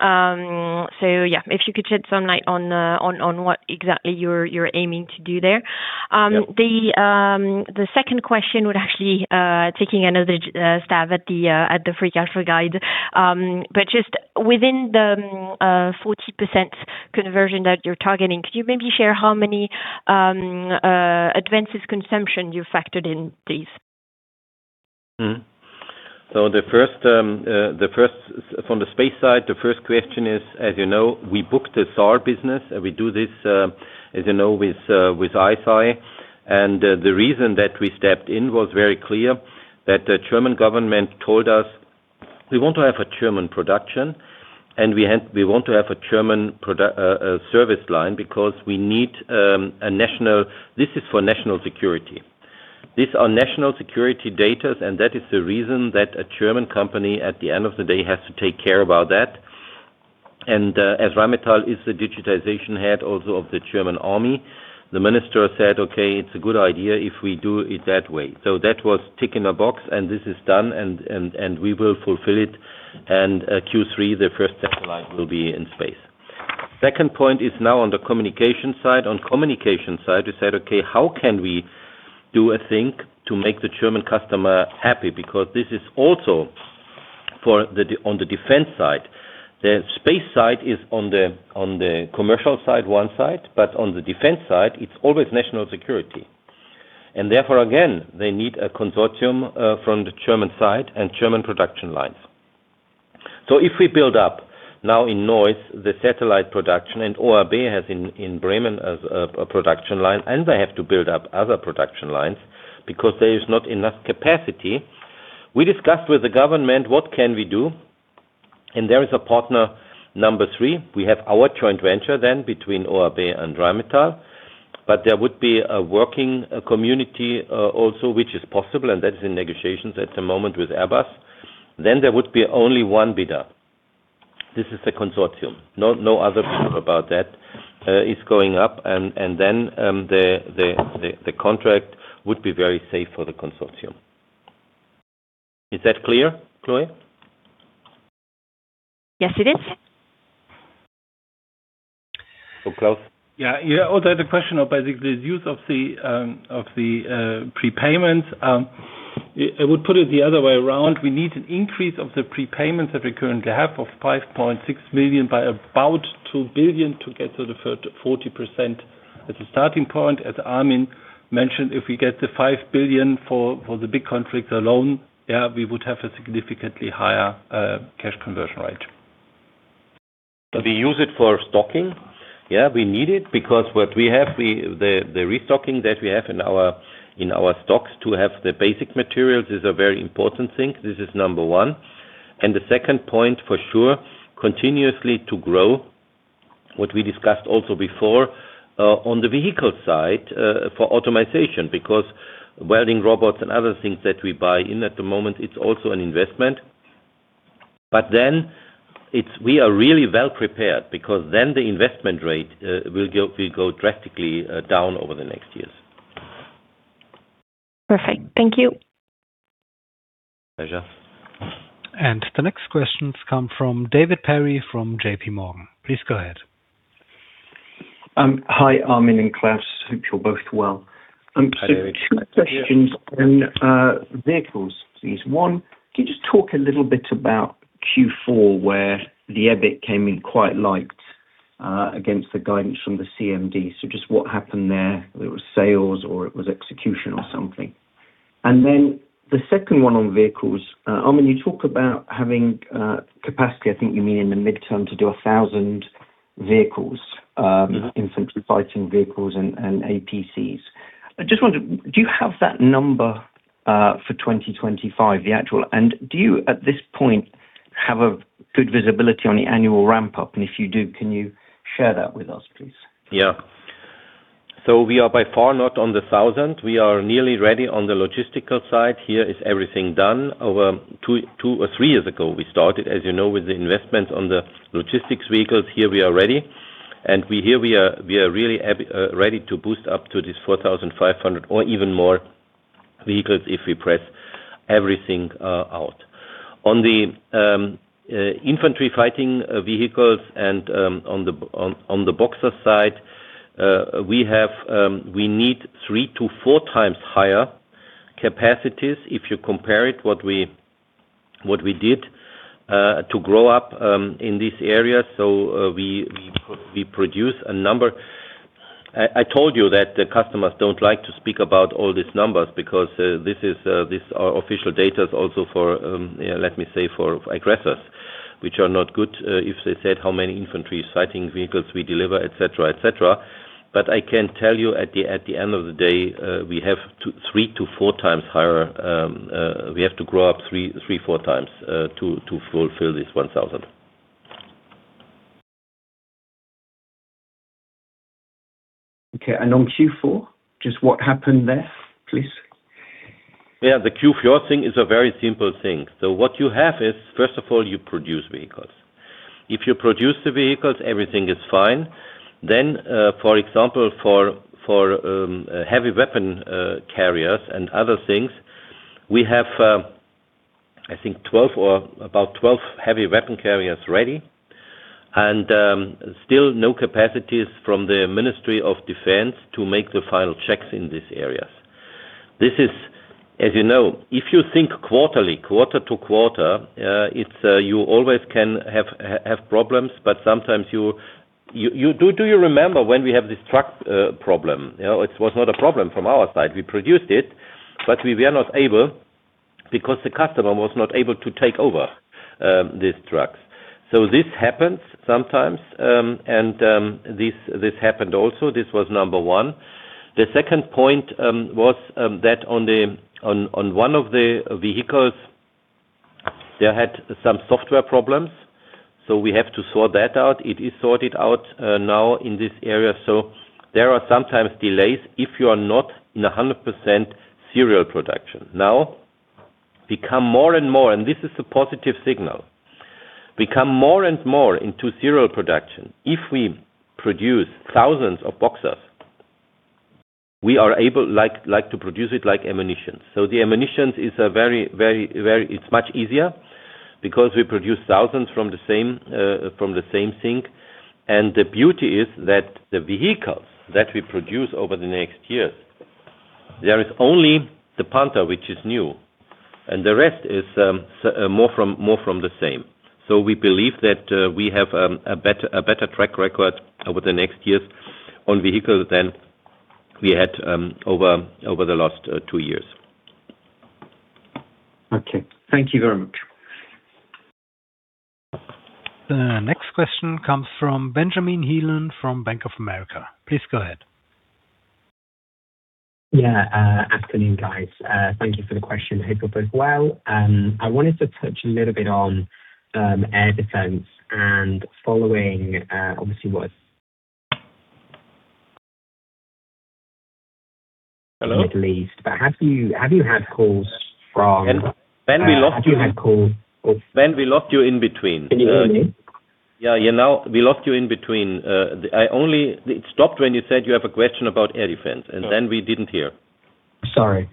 Yeah, if you could shed some light on what exactly you're aiming to do there. Yeah. The second question, taking another stab at the free cash flow guide. Just within the 40% conversion that you're targeting, could you maybe share how many advances consumption you factored in, please? From the space side, the first question is, as you know, we booked the SAR business. We do this, as you know, with ICEYE. The reason that we stepped in was very clear that the German government told us, "We want to have a German production, and we want to have a German service line because we need a national. This is for national security. These are national security data, and that is the reason that a German company, at the end of the day, has to take care about that. As Rheinmetall is the digitization head also of the German Army, the minister said, "Okay, it's a good idea if we do it that way." That was tick in a box, and this is done and we will fulfill it. Q3, the first satellite will be in space. Second point is now on the communication side. On communication side, we said, "Okay, how can we do a thing to make the German customer happy?" Because this is also for the defense side. The space side is on the commercial side, one side, but on the defense side, it's always national security. Therefore, again, they need a consortium from the German side and German production lines. If we build up now in Neuss the satellite production, and OHB has in Bremen a production line, and they have to build up other production lines because there is not enough capacity. We discussed with the government, what can we do? There is a partner number three. We have our joint venture then between OHB and Rheinmetall, but there would be a working community also, which is possible, and that is in negotiations at the moment with Airbus. There would be only one bidder. This is the consortium. No other people about that is going up. Then the contract would be very safe for the consortium. Is that clear, Chloe? Yes, it is. Close. Yeah. Also the question of basically the use of the prepayments. I would put it the other way around. We need an increase of the prepayments that we currently have of 5.6 billion by about 2 billion to get to 40% as a starting point. As Armin mentioned, if we get the 5 billion for the big conflicts alone, yeah, we would have a significantly higher cash conversion rate. We use it for stocking. Yeah, we need it because what we have, the restocking that we have in our stocks to have the basic materials is a very important thing. This is number one. The second point for sure, continuously to grow. What we discussed also before, on the vehicle side, for automation, because welding robots and other things that we buy in at the moment, it's also an investment. Then it's, we are really well prepared because then the investment rate will go drastically down over the next years. BAAINBw. Thank you. Pleasure. The next questions come from David Perry from JP Morgan. Please go ahead. Hi, Armin Papperger and Klaus Neumann. Hope you're both well. Hi, David. Two questions on vehicles please. One, can you just talk a little bit about Q4, where the EBIT came in quite light against the guidance from the CMD. Just what happened there? Whether it was sales or it was execution or something. The second one on vehicles, Armin. You talk about having capacity, I think you mean in the midterm, to do 1,000 vehicles. Mm-hmm. Infantry fighting vehicles and APCs. I just wonder, do you have that number for 2025, the actual? Do you at this point have a good visibility on the annual ramp-up? If you do, can you share that with us, please? We are by far not on the thousand. We are nearly ready on the logistical side. Here is everything done. Over two years or three years ago, we started, as you know, with the investments on the logistics vehicles. Here we are ready. We are really ready to boost up to this 4,500 or even more vehicles if we press everything out. On the infantry fighting vehicles and on the Boxer side, we need 3x -4x higher capacities. If you compare it to what we did to grow up in this area. We produce a number. I told you that the customers don't like to speak about all these numbers because this official data is also for, let me say, for aggressors, which are not good, if they said how many infantry fighting vehicles we deliver, et cetera, et cetera. I can tell you at the end of the day, we have 2x-3x to 4x higher, we have to grow up 3x-4x, to fulfill this 1,000. Okay. On Q4, just what happened there, please? Yeah. The Q4 thing is a very simple thing. What you have is, first of all, you produce vehicles. If you produce the vehicles, everything is fine. Then, for example, for heavy weapon carriers and other things, we have, I think 12 or about 12 heavy weapon carriers ready and still no capacities from the Federal Ministry of Defence to make the final checks in these areas. This is, as you know, if you think quarterly, quarter-over-quarter, it's you always can have problems, but sometimes you. Do you remember when we have this truck problem? You know, it was not a problem from our side. We produced it, but we were not able because the customer was not able to take over these trucks. This happens sometimes. This happened also. This was number one. The second point was that on one of the vehicles, they had some software problems, so we have to sort that out. It is sorted out now in this area. There are sometimes delays if you are not in 100% serial production. Now become more and more into serial production, and this is a positive signal. If we produce thousands of Boxers, we are able to produce it like ammunition. The ammunition is very much easier because we produce thousands of the same thing. The beauty is that the vehicles that we produce over the next years, there is only the Panther, which is new, and the rest is more from the same. We believe that we have a better track record over the next years on vehicles than we had over the last two years. Okay. Thank you very much. The next question comes from Benjamin Heelan from Bank of America. Please go ahead. Yeah. Afternoon, guys. Thank you for the question. Hope you're both well. I wanted to touch a little bit on air defense and following, obviously what- Hello? Middle East. Have you had calls from? Ben, we lost you. Have you had calls or? Ben, we lost you in between. Can you hear me? Yeah. We lost you in between. It stopped when you said you have a question about air defense, and then we didn't hear. Sorry.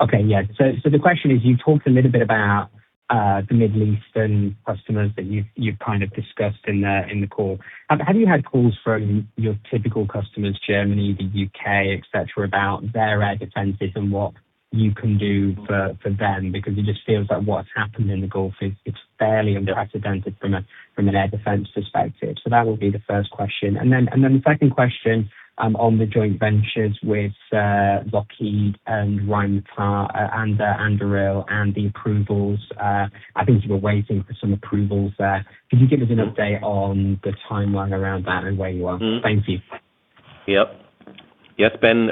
Okay. Yeah. The question is, you talked a little bit about the Middle Eastern customers that you've kind of discussed in the call. Have you had calls from your typical customers, Germany, the U.K., et cetera, about their air defenses and what you can do for them? Because it just feels like what's happened in the Gulf is fairly unprecedented from an air defense perspective. That would be the first question. The second question on the joint ventures with Lockheed Martin and Rheinmetall and Anduril Industries and the approvals, I think you were waiting for some approvals there. Could you give us an update on the timeline around that and where you are? Mm-hmm. Thank you. Yes, Ben.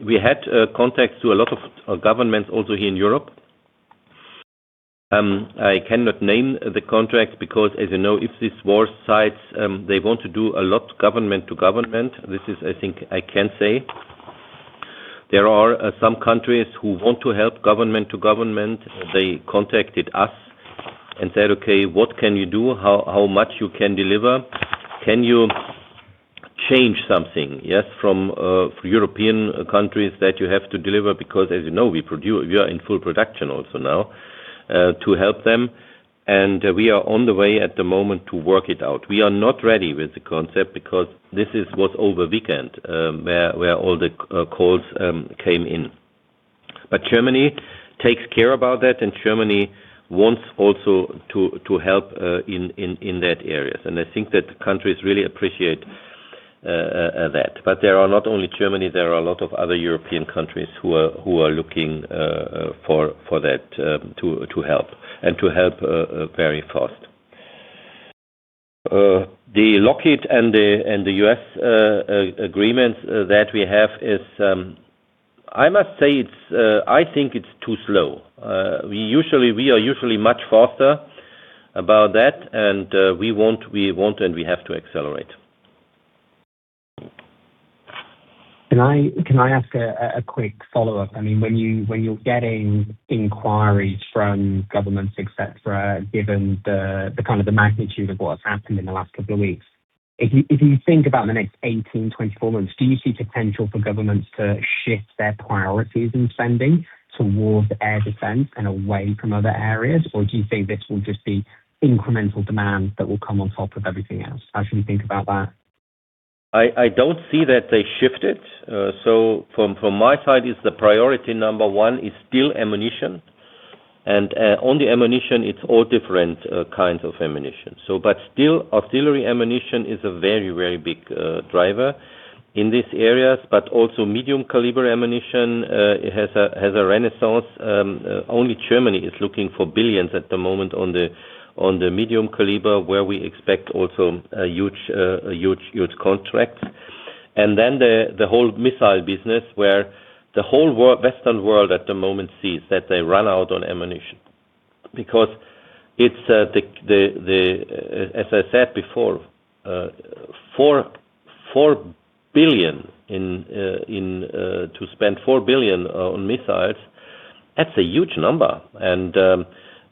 We had contacts to a lot of governments also here in Europe. I cannot name the contracts because as you know, if this war starts, they want to do a lot of government to government. This is, I think I can say. There are some countries who want to help government to government. They contacted us and said, "Okay, what can you do? How much you can deliver? Can you change something?" Yes. From European countries that we have to deliver because as you know, we are in full production also now to help them. We are on the way at the moment to work it out. We are not ready with the concept because this is what over the weekend, where all the calls came in. Germany takes care about that, and Germany wants also to help in that areas. I think that countries really appreciate that. There are not only Germany, there are a lot of other European countries who are looking for that to help very fast. The Lockheed Martin and the US agreement that we have is, I must say it's, I think it's too slow. We are usually much faster about that, and we want and we have to accelerate. Can I ask a quick follow-up? I mean, when you're getting inquiries from governments, et cetera, given the kind of magnitude of what has happened in the last couple of weeks, if you think about the next 18months-24 months, do you see potential for governments to shift their priorities in spending towards air defense and away from other areas? Or do you think this will just be incremental demand that will come on top of everything else? How should we think about that? I don't see that they shift it. From my side, the priority number one is still ammunition. On the ammunition, it's all different kinds of ammunition. Auxiliary ammunition is a very big driver in these areas, but also medium caliber ammunition has a renaissance. Only Germany is looking for billions at the moment on the medium caliber, where we expect also a huge contract. The whole missile business, where the whole Western world at the moment sees that they run out of ammunition because it's the, as I said before, EUR 4 billion to spend on missiles, that's a huge number.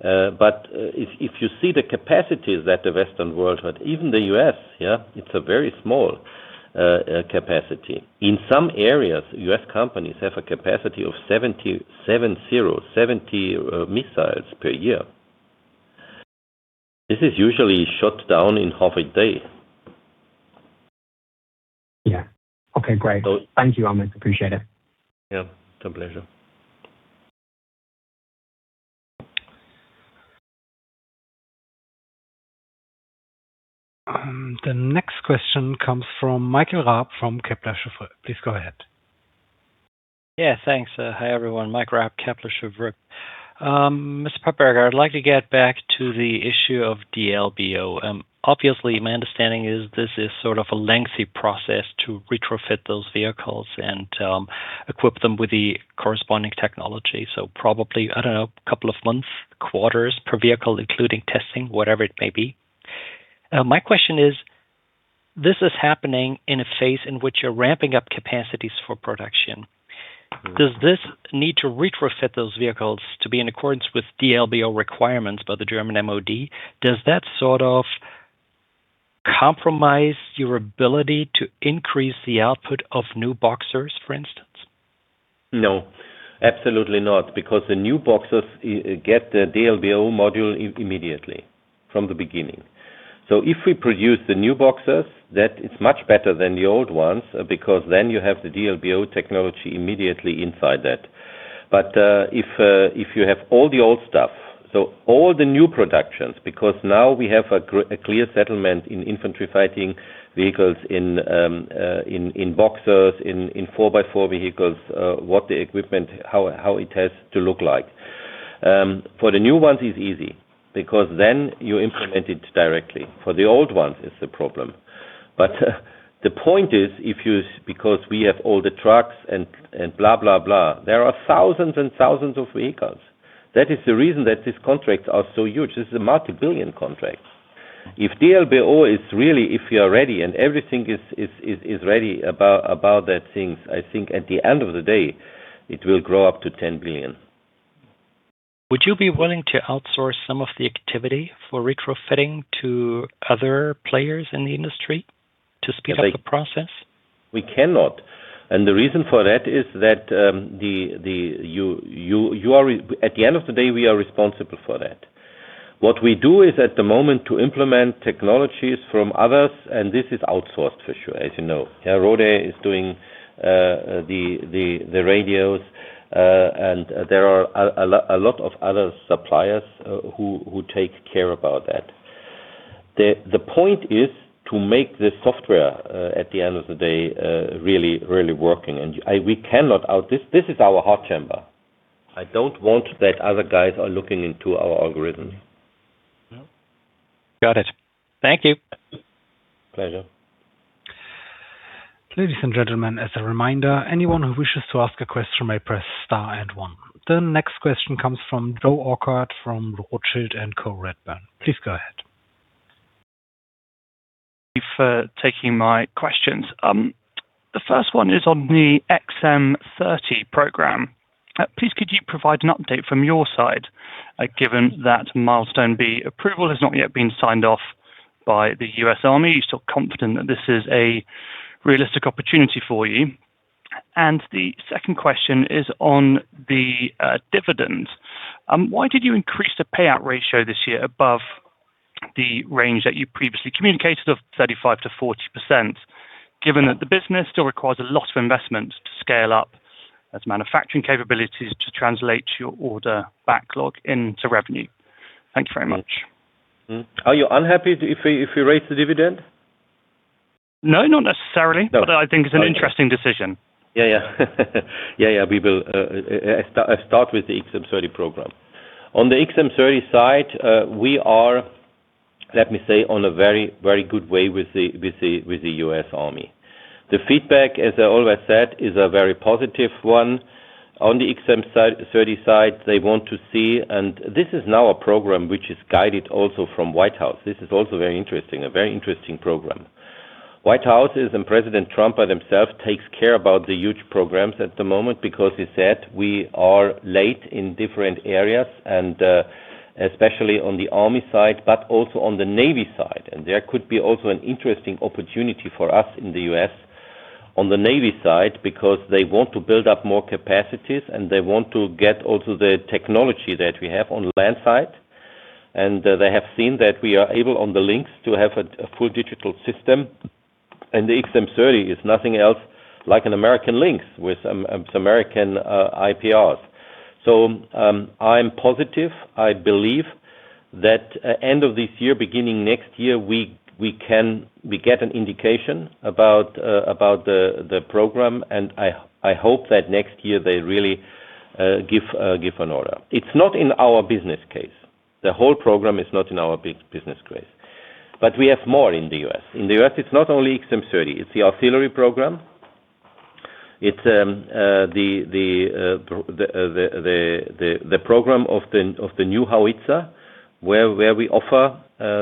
If you see the capacities that the Western world had, even the U.S., yeah, it's a very small capacity. In some areas, U.S. companies have a capacity of 70 missiles per year. This is usually shut down in half a day. Yeah. Okay, great. So- Thank you, Armin. Appreciate it. Yeah, it's a pleasure. The next question comes from Michael Raab from Kepler Cheuvreux. Please go ahead. Yeah, thanks. Hi, everyone. Michael Raab, Kepler Cheuvreux. Mr. Papperger, I'd like to get back to the issue of D-LBO. Obviously, my understanding is this is sort of a lengthy process to retrofit those vehicles and equip them with the corresponding technology. Probably, I don't know, a couple of months, quarters per vehicle, including testing, whatever it may be. My question is, this is happening in a phase in which you're ramping up capacities for production. Mm-hmm. Does this need to retrofit those vehicles to be in accordance with D-LBO requirements by the German MOD? Does that sort of compromise your ability to increase the output of new Boxers, for instance? No, absolutely not. The new Boxers get the D-LBO module immediately from the beginning. If we produce the new Boxers, that is much better than the old ones because then you have the D-LBO technology immediately inside that. If you have all the old stuff, so all the new productions, because now we have a clear settlement in infantry fighting vehicles in Boxers, in 4x4 vehicles, what the equipment, how it has to look like. For the new ones, it's easy because then you implement it directly. For the old ones, it's a problem. The point is, because we have all the trucks and blah, blah, there are thousands and thousands of vehicles. That is the reason that these contracts are so huge. This is a multi-billion EUR contract. If D-LBO is really ready and everything is ready about those things, I think at the end of the day, it will grow up to 10 billion. Would you be willing to outsource some of the activity for retrofitting to other players in the industry to speed up the process? We cannot. The reason for that is that at the end of the day, we are responsible for that. What we do is at the moment to implement technologies from others, and this is outsourced for sure, as you know. Rohde is doing the radios, and there are a lot of other suppliers who take care about that. The point is to make this software at the end of the day really working. This is our heart chamber. I don't want that other guys are looking into our algorithm. Got it. Thank you. Pleasure. Ladies and gentlemen, as a reminder, anyone who wishes to ask a question may press star and one. The next question comes from Joseph Orchard from Rothschild & Co Redburn. Please go ahead. Thank you for taking my questions. The first one is on the XM30 program. Please could you provide an update from your side, given that Milestone B approval has not yet been signed off by the U.S. Army. Are you still confident that this is a realistic opportunity for you? The second question is on the dividend. Why did you increase the payout ratio this year above the range that you previously communicated of 35%-40%, given that the business still requires a lot of investment to scale up its manufacturing capabilities to translate your order backlog into revenue? Thank you very much. Are you unhappy if we raise the dividend? No, not necessarily. No. Okay. I think it's an interesting decision. Yeah, we will start with the XM30 program. On the XM30 side, we are, let me say, on a very good way with the U.S. Army. The feedback, as I always said, is a very positive one. On the XM30 side, they want to see. This is now a program which is guided also from the White House. This is also very interesting, a very interesting program. The White House, and President Trump by himself, takes care about the huge programs at the moment because he said we are late in different areas, especially on the Army side, but also on the Navy side. There could be also an interesting opportunity for us in the U.S. on the Navy side because they want to build up more capacities, and they want to get also the technology that we have on land side. They have seen that we are able on the Lynx to have a full digital system. The XM30 is nothing else like an American Lynx with some American IPRs. I'm positive. I believe that end of this year, beginning next year, we can get an indication about the program, and I hope that next year they really give an order. It's not in our business case. The whole program is not in our business case. But we have more in the U.S. In the U.S., it's not only XM30, it's the artillery program. It's the program of the new howitzer, where we offer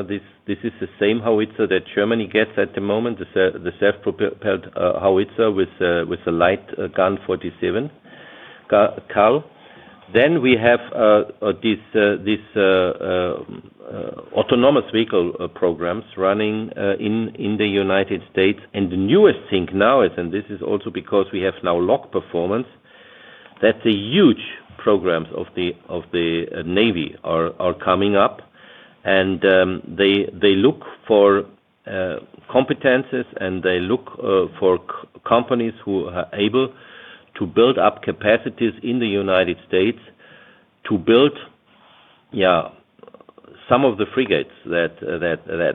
this. This is the same howitzer that Germany gets at the moment, the self-propelled howitzer with a light gun 47 cal. We have this autonomous vehicle programs running in the United States. The newest thing now is, this is also because we have now LOC Performance, that the huge programs of the Navy are coming up. They look for competences, and they look for companies who are able to build up capacities in the United States to build, yeah, some of the frigates that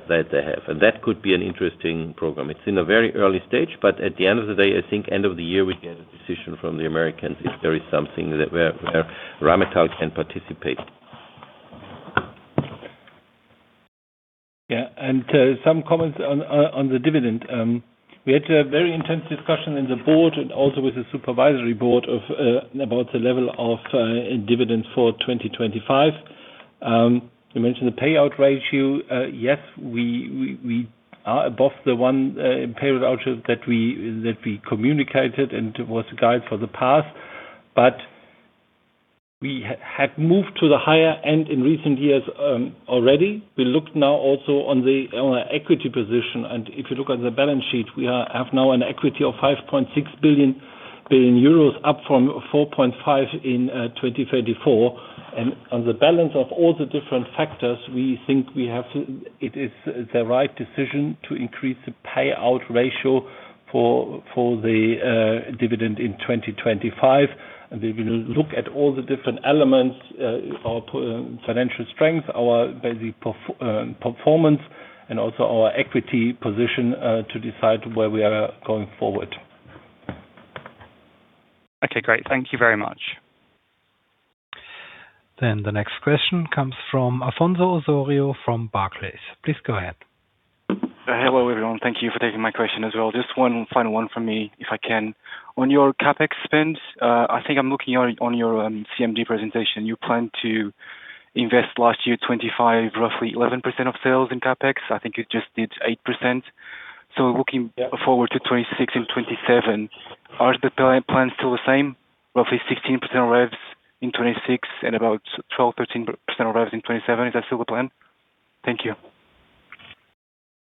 they have. That could be an interesting program. It's in a very early stage, but at the end of the day, I think, end of the year, we get a decision from the Americans if there is something where Rheinmetall can participate. Yeah. Some comments on the dividend. We had a very intense discussion in the board and also with the supervisory board about the level of dividend for 2025. You mentioned the payout ratio. Yes, we are above the one payout ratio that we communicated, and it was a guide for the past. We had moved to the higher end in recent years already. We look now also on our equity position. If you look at the balance sheet, we have now an equity of 5.6 billion, up from 4.5 billion in 2024. On the balance of all the different factors, we think it is the right decision to increase the payout ratio for the dividend in 2025. We will look at all the different elements, our financial strength, our basic performance, and also our equity position, to decide where we are going forward. Okay, great. Thank you very much. The next question comes from Afonso Osorio from Barclays. Please go ahead. Hello, everyone. Thank you for taking my question as well. Just one final one from me, if I can. On your CapEx spends, I think I'm looking on your CMD presentation. You planned to invest last year 25, roughly 11% of sales in CapEx. I think you just did 8%. Looking forward to 2026 and 2027, are the plan still the same, roughly 16% revs in 2026 and about 12%-13% revs in 2027? Is that still the plan? Thank you.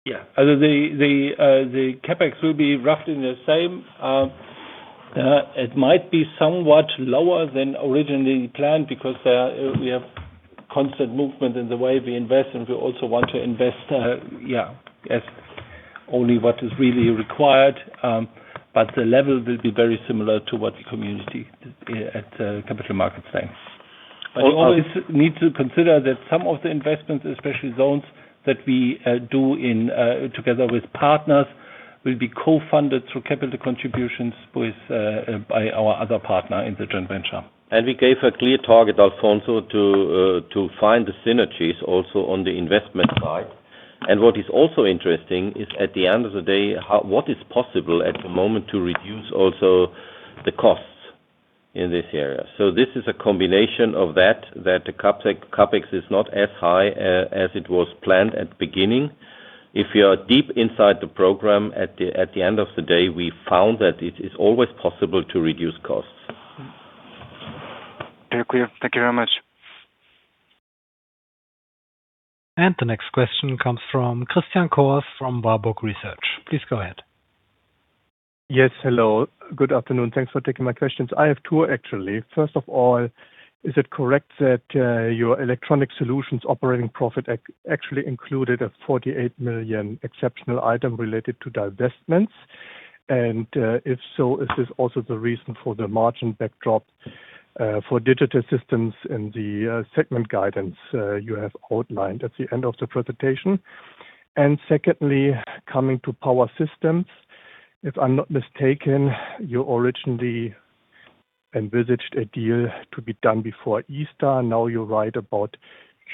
Yeah. The CapEx will be roughly the same. It might be somewhat lower than originally planned because we have constant movement in the way we invest, and we also want to invest only what is really required. The level will be very similar to what the company at Capital Markets Day. You always need to consider that some of the investments, especially those that we do in together with partners, will be co-funded through capital contributions with by our other partner in the joint venture. We gave a clear target, Afonso, to find the synergies also on the investment side. What is also interesting is, at the end of the day, what is possible at the moment to reduce also the costs in this area. This is a combination of that the CapEx is not as high as it was planned at beginning. If you are deep inside the program, at the end of the day, we found that it is always possible to reduce costs. Very clear. Thank you very much. The next question comes from Christoph Cohrs from Warburg Research. Please go ahead. Yes. Hello. Good afternoon. Thanks for taking my questions. I have two, actually. First of all, is it correct that your Electronic Solutions operating profit actually included a 48 million exceptional item related to divestments? And if so, is this also the reason for the margin backdrop for Digital Systems in the segment guidance you have outlined at the end of the presentation? And secondly, coming to Power Systems, if I'm not mistaken, you originally envisaged a deal to be done before Easter. Now you write about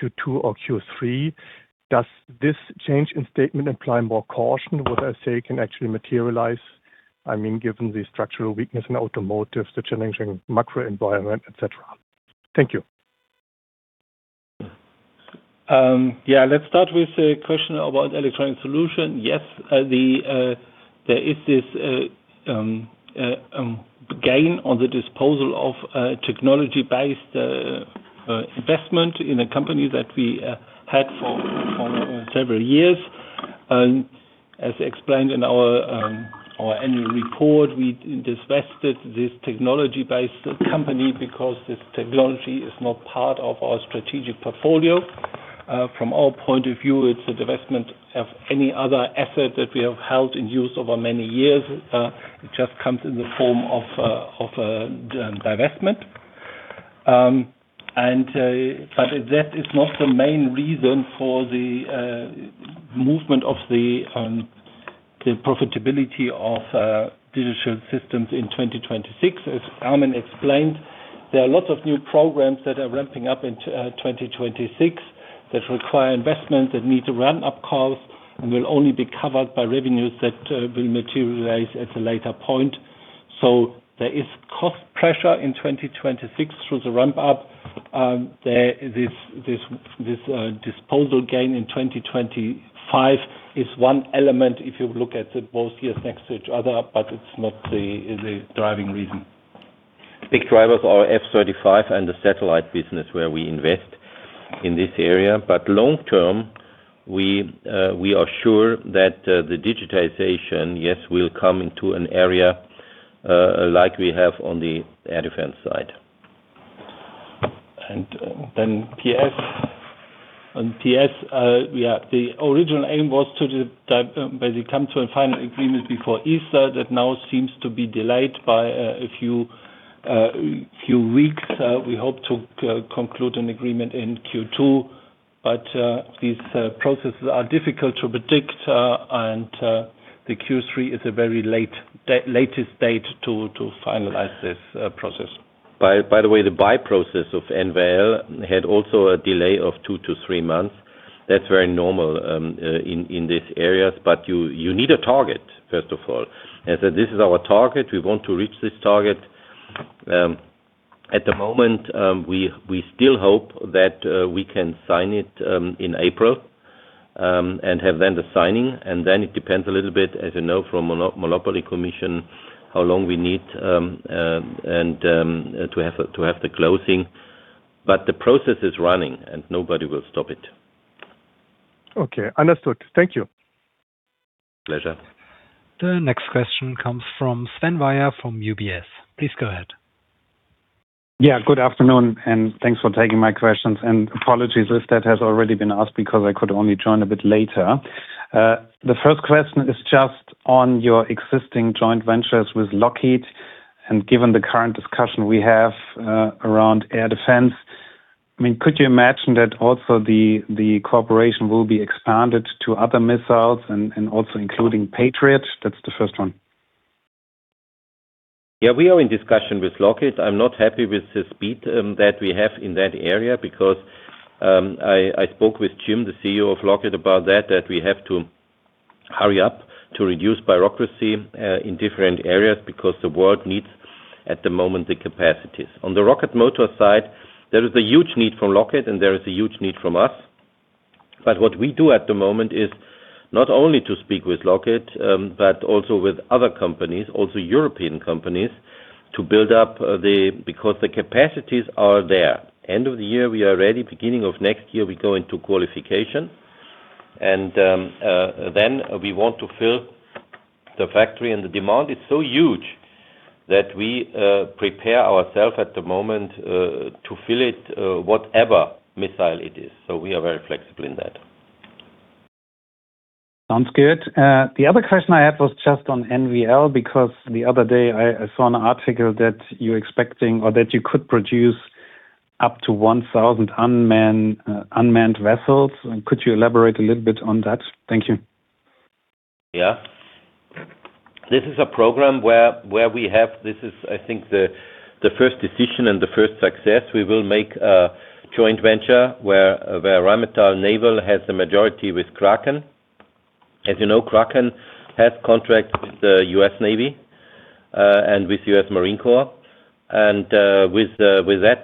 Q2 or Q3. Does this change in statement imply more caution with the sale can actually materialize? I mean, given the structural weakness in automotive, the challenging macro environment, et cetera. Thank you. Yeah. Let's start with the question about Electronic Solutions. Yes, there is this gain on the disposal of technology-based investment in a company that we had for several years. As explained in our annual report, we divested this technology-based company because this technology is not part of our strategic portfolio. From our point of view, it's a divestment of any other asset that we have held in use over many years. It just comes in the form of a divestment. That is not the main reason for the movement of the profitability of Digital Systems in 2026. As Armin explained, there are lots of new programs that are ramping up in 2026 that require investment, that need to ramp up costs, and will only be covered by revenues that will materialize at a later point. There is cost pressure in 2026 through the ramp up. This disposal gain in 2025 is one element, if you look at it both years next to each other, but it's not the driving reason. Big drivers are F35 and the satellite business where we invest in this area. Long term, we are sure that the digitization, yes, will come into an area like we have on the air defense side. PS, on PS. The original aim was to basically come to a final agreement before Easter. That now seems to be delayed by a few weeks. We hope to conclude an agreement in Q2, but these processes are difficult to predict, and the Q3 is a very late date to finalize this process. By the way, the buy process of NVL had also a delay of 2-3 months. That's very normal in these areas. You need a target, first of all. As this is our target, we want to reach this target. At the moment, we still hope that we can sign it in April and have then the signing, and then it depends a little bit, as you know, from monopoly commission, how long we need and to have the closing. The process is running and nobody will stop it. Okay. Understood. Thank you. Pleasure. The next question comes from Sven Weier from UBS. Please go ahead. Yeah, good afternoon, and thanks for taking my questions. Apologies if that has already been asked, because I could only join a bit later. The first question is just on your existing joint ventures with Lockheed. Given the current discussion we have, around air defense, I mean, could you imagine that also the cooperation will be expanded to other missiles and also including Patriot? That's the first one. Yeah, we are in discussion with Lockheed. I'm not happy with the speed that we have in that area because I spoke with Jim, the CEO of Lockheed, about that we have to hurry up to reduce bureaucracy in different areas because the world needs, at the moment, the capacities. On the rocket motor side, there is a huge need from Lockheed and there is a huge need from us. But what we do at the moment is not only to speak with Lockheed, but also with other companies, also European companies, to build up because the capacities are there. End of the year, we are ready. Beginning of next year, we go into qualification. Then we want to fill the factory. The demand is so huge that we prepare ourselves at the moment to fill it, whatever missile it is. We are very flexible in that. Sounds good. The other question I had was just on NVL, because the other day I saw an article that you're expecting or that you could produce up to 1,000 unmanned vessels. Could you elaborate a little bit on that? Thank you. Yeah. This is a program. This is, I think, the first decision and the first success. We will make a joint venture where Rheinmetall Naval has the majority with Kraken. As you know, Kraken has contract with the United States Navy and with United States Marine Corps. With that,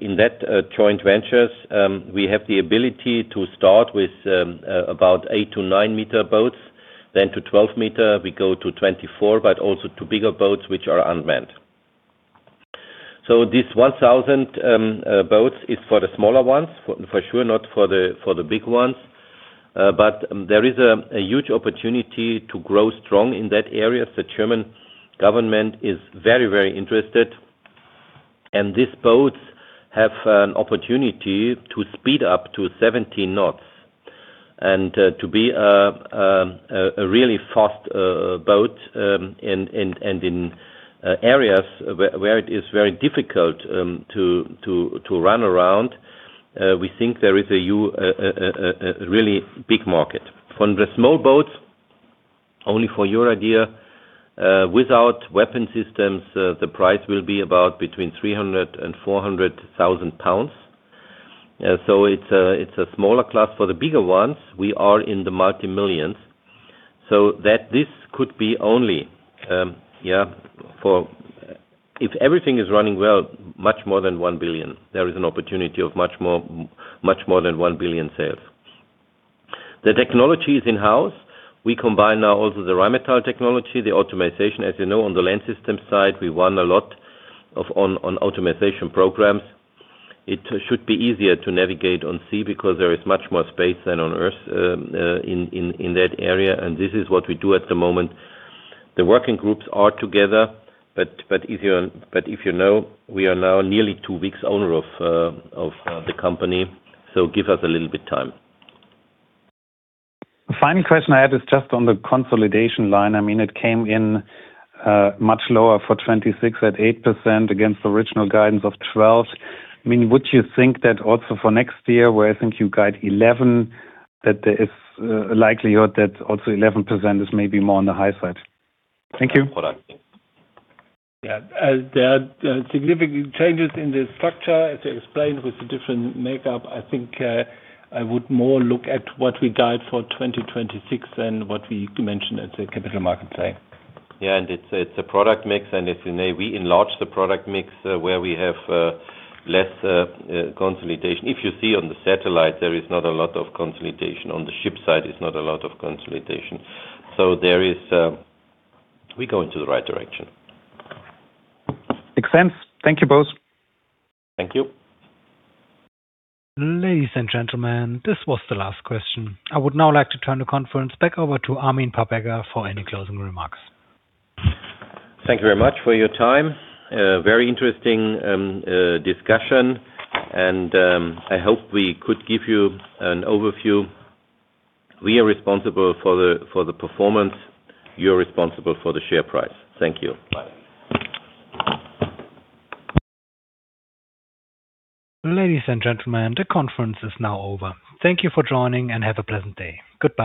in that joint venture, we have the ability to start with about eight metre- to nine-meter boats, then to 12-meter, we go to 24, but also to bigger boats which are unmanned. This 1,000 boats is for the smaller ones, for sure, not for the big ones. But there is a huge opportunity to grow strong in that area. The German government is very, very interested, and these boats have an opportunity to speed up to 17 knots and to be a really fast boat in areas where it is very difficult to run around. We think there is a really big market. From the small boats, only for your idea, without weapon systems, the price will be about between 300,000 pounds and 400,000 pounds. It's a smaller class. For the bigger ones, we are in the multi-millions. That this could be only. If everything is running well, much more than 1 billion. There is an opportunity of much more than 1 billion sales. The technology is in-house. We combine now also the Rheinmetall technology, the optimization. As you know, on the land system side, we won a lot of optimization programs. It should be easier to navigate on sea because there is much more space than on earth, in that area. This is what we do at the moment. The working groups are together, but if you know, we are now nearly two weeks owner of the company, so give us a little bit time. The final question I have is just on the consolidation line. I mean, it came in much lower for 2026 at 8% against the original guidance of 12. I mean, would you think that also for next year, where I think you guide 11, that there is a likelihood that also 11% is maybe more on the high side? Thank you. Product. Yeah. As there are significant changes in the structure, as I explained, with the different makeup, I think, I would more look at what we guide for 2026 than what we mentioned at the Capital Markets Day. It's a product mix. If you may, we enlarge the product mix, where we have consolidation. If you see on the satellite, there is not a lot of consolidation. On the ship side, it's not a lot of consolidation. We're going to the right direction. Makes sense. Thank you both. Thank you. Ladies and gentlemen, this was the last question. I would now like to turn the conference back over to Armin Papperger for any closing remarks. Thank you very much for your time. A very interesting discussion, and I hope we could give you an overview. We are responsible for the performance. You're responsible for the share price. Thank you. Bye. Ladies and gentlemen, the conference is now over. Thank you for joining, and have a pleasant day. Goodbye.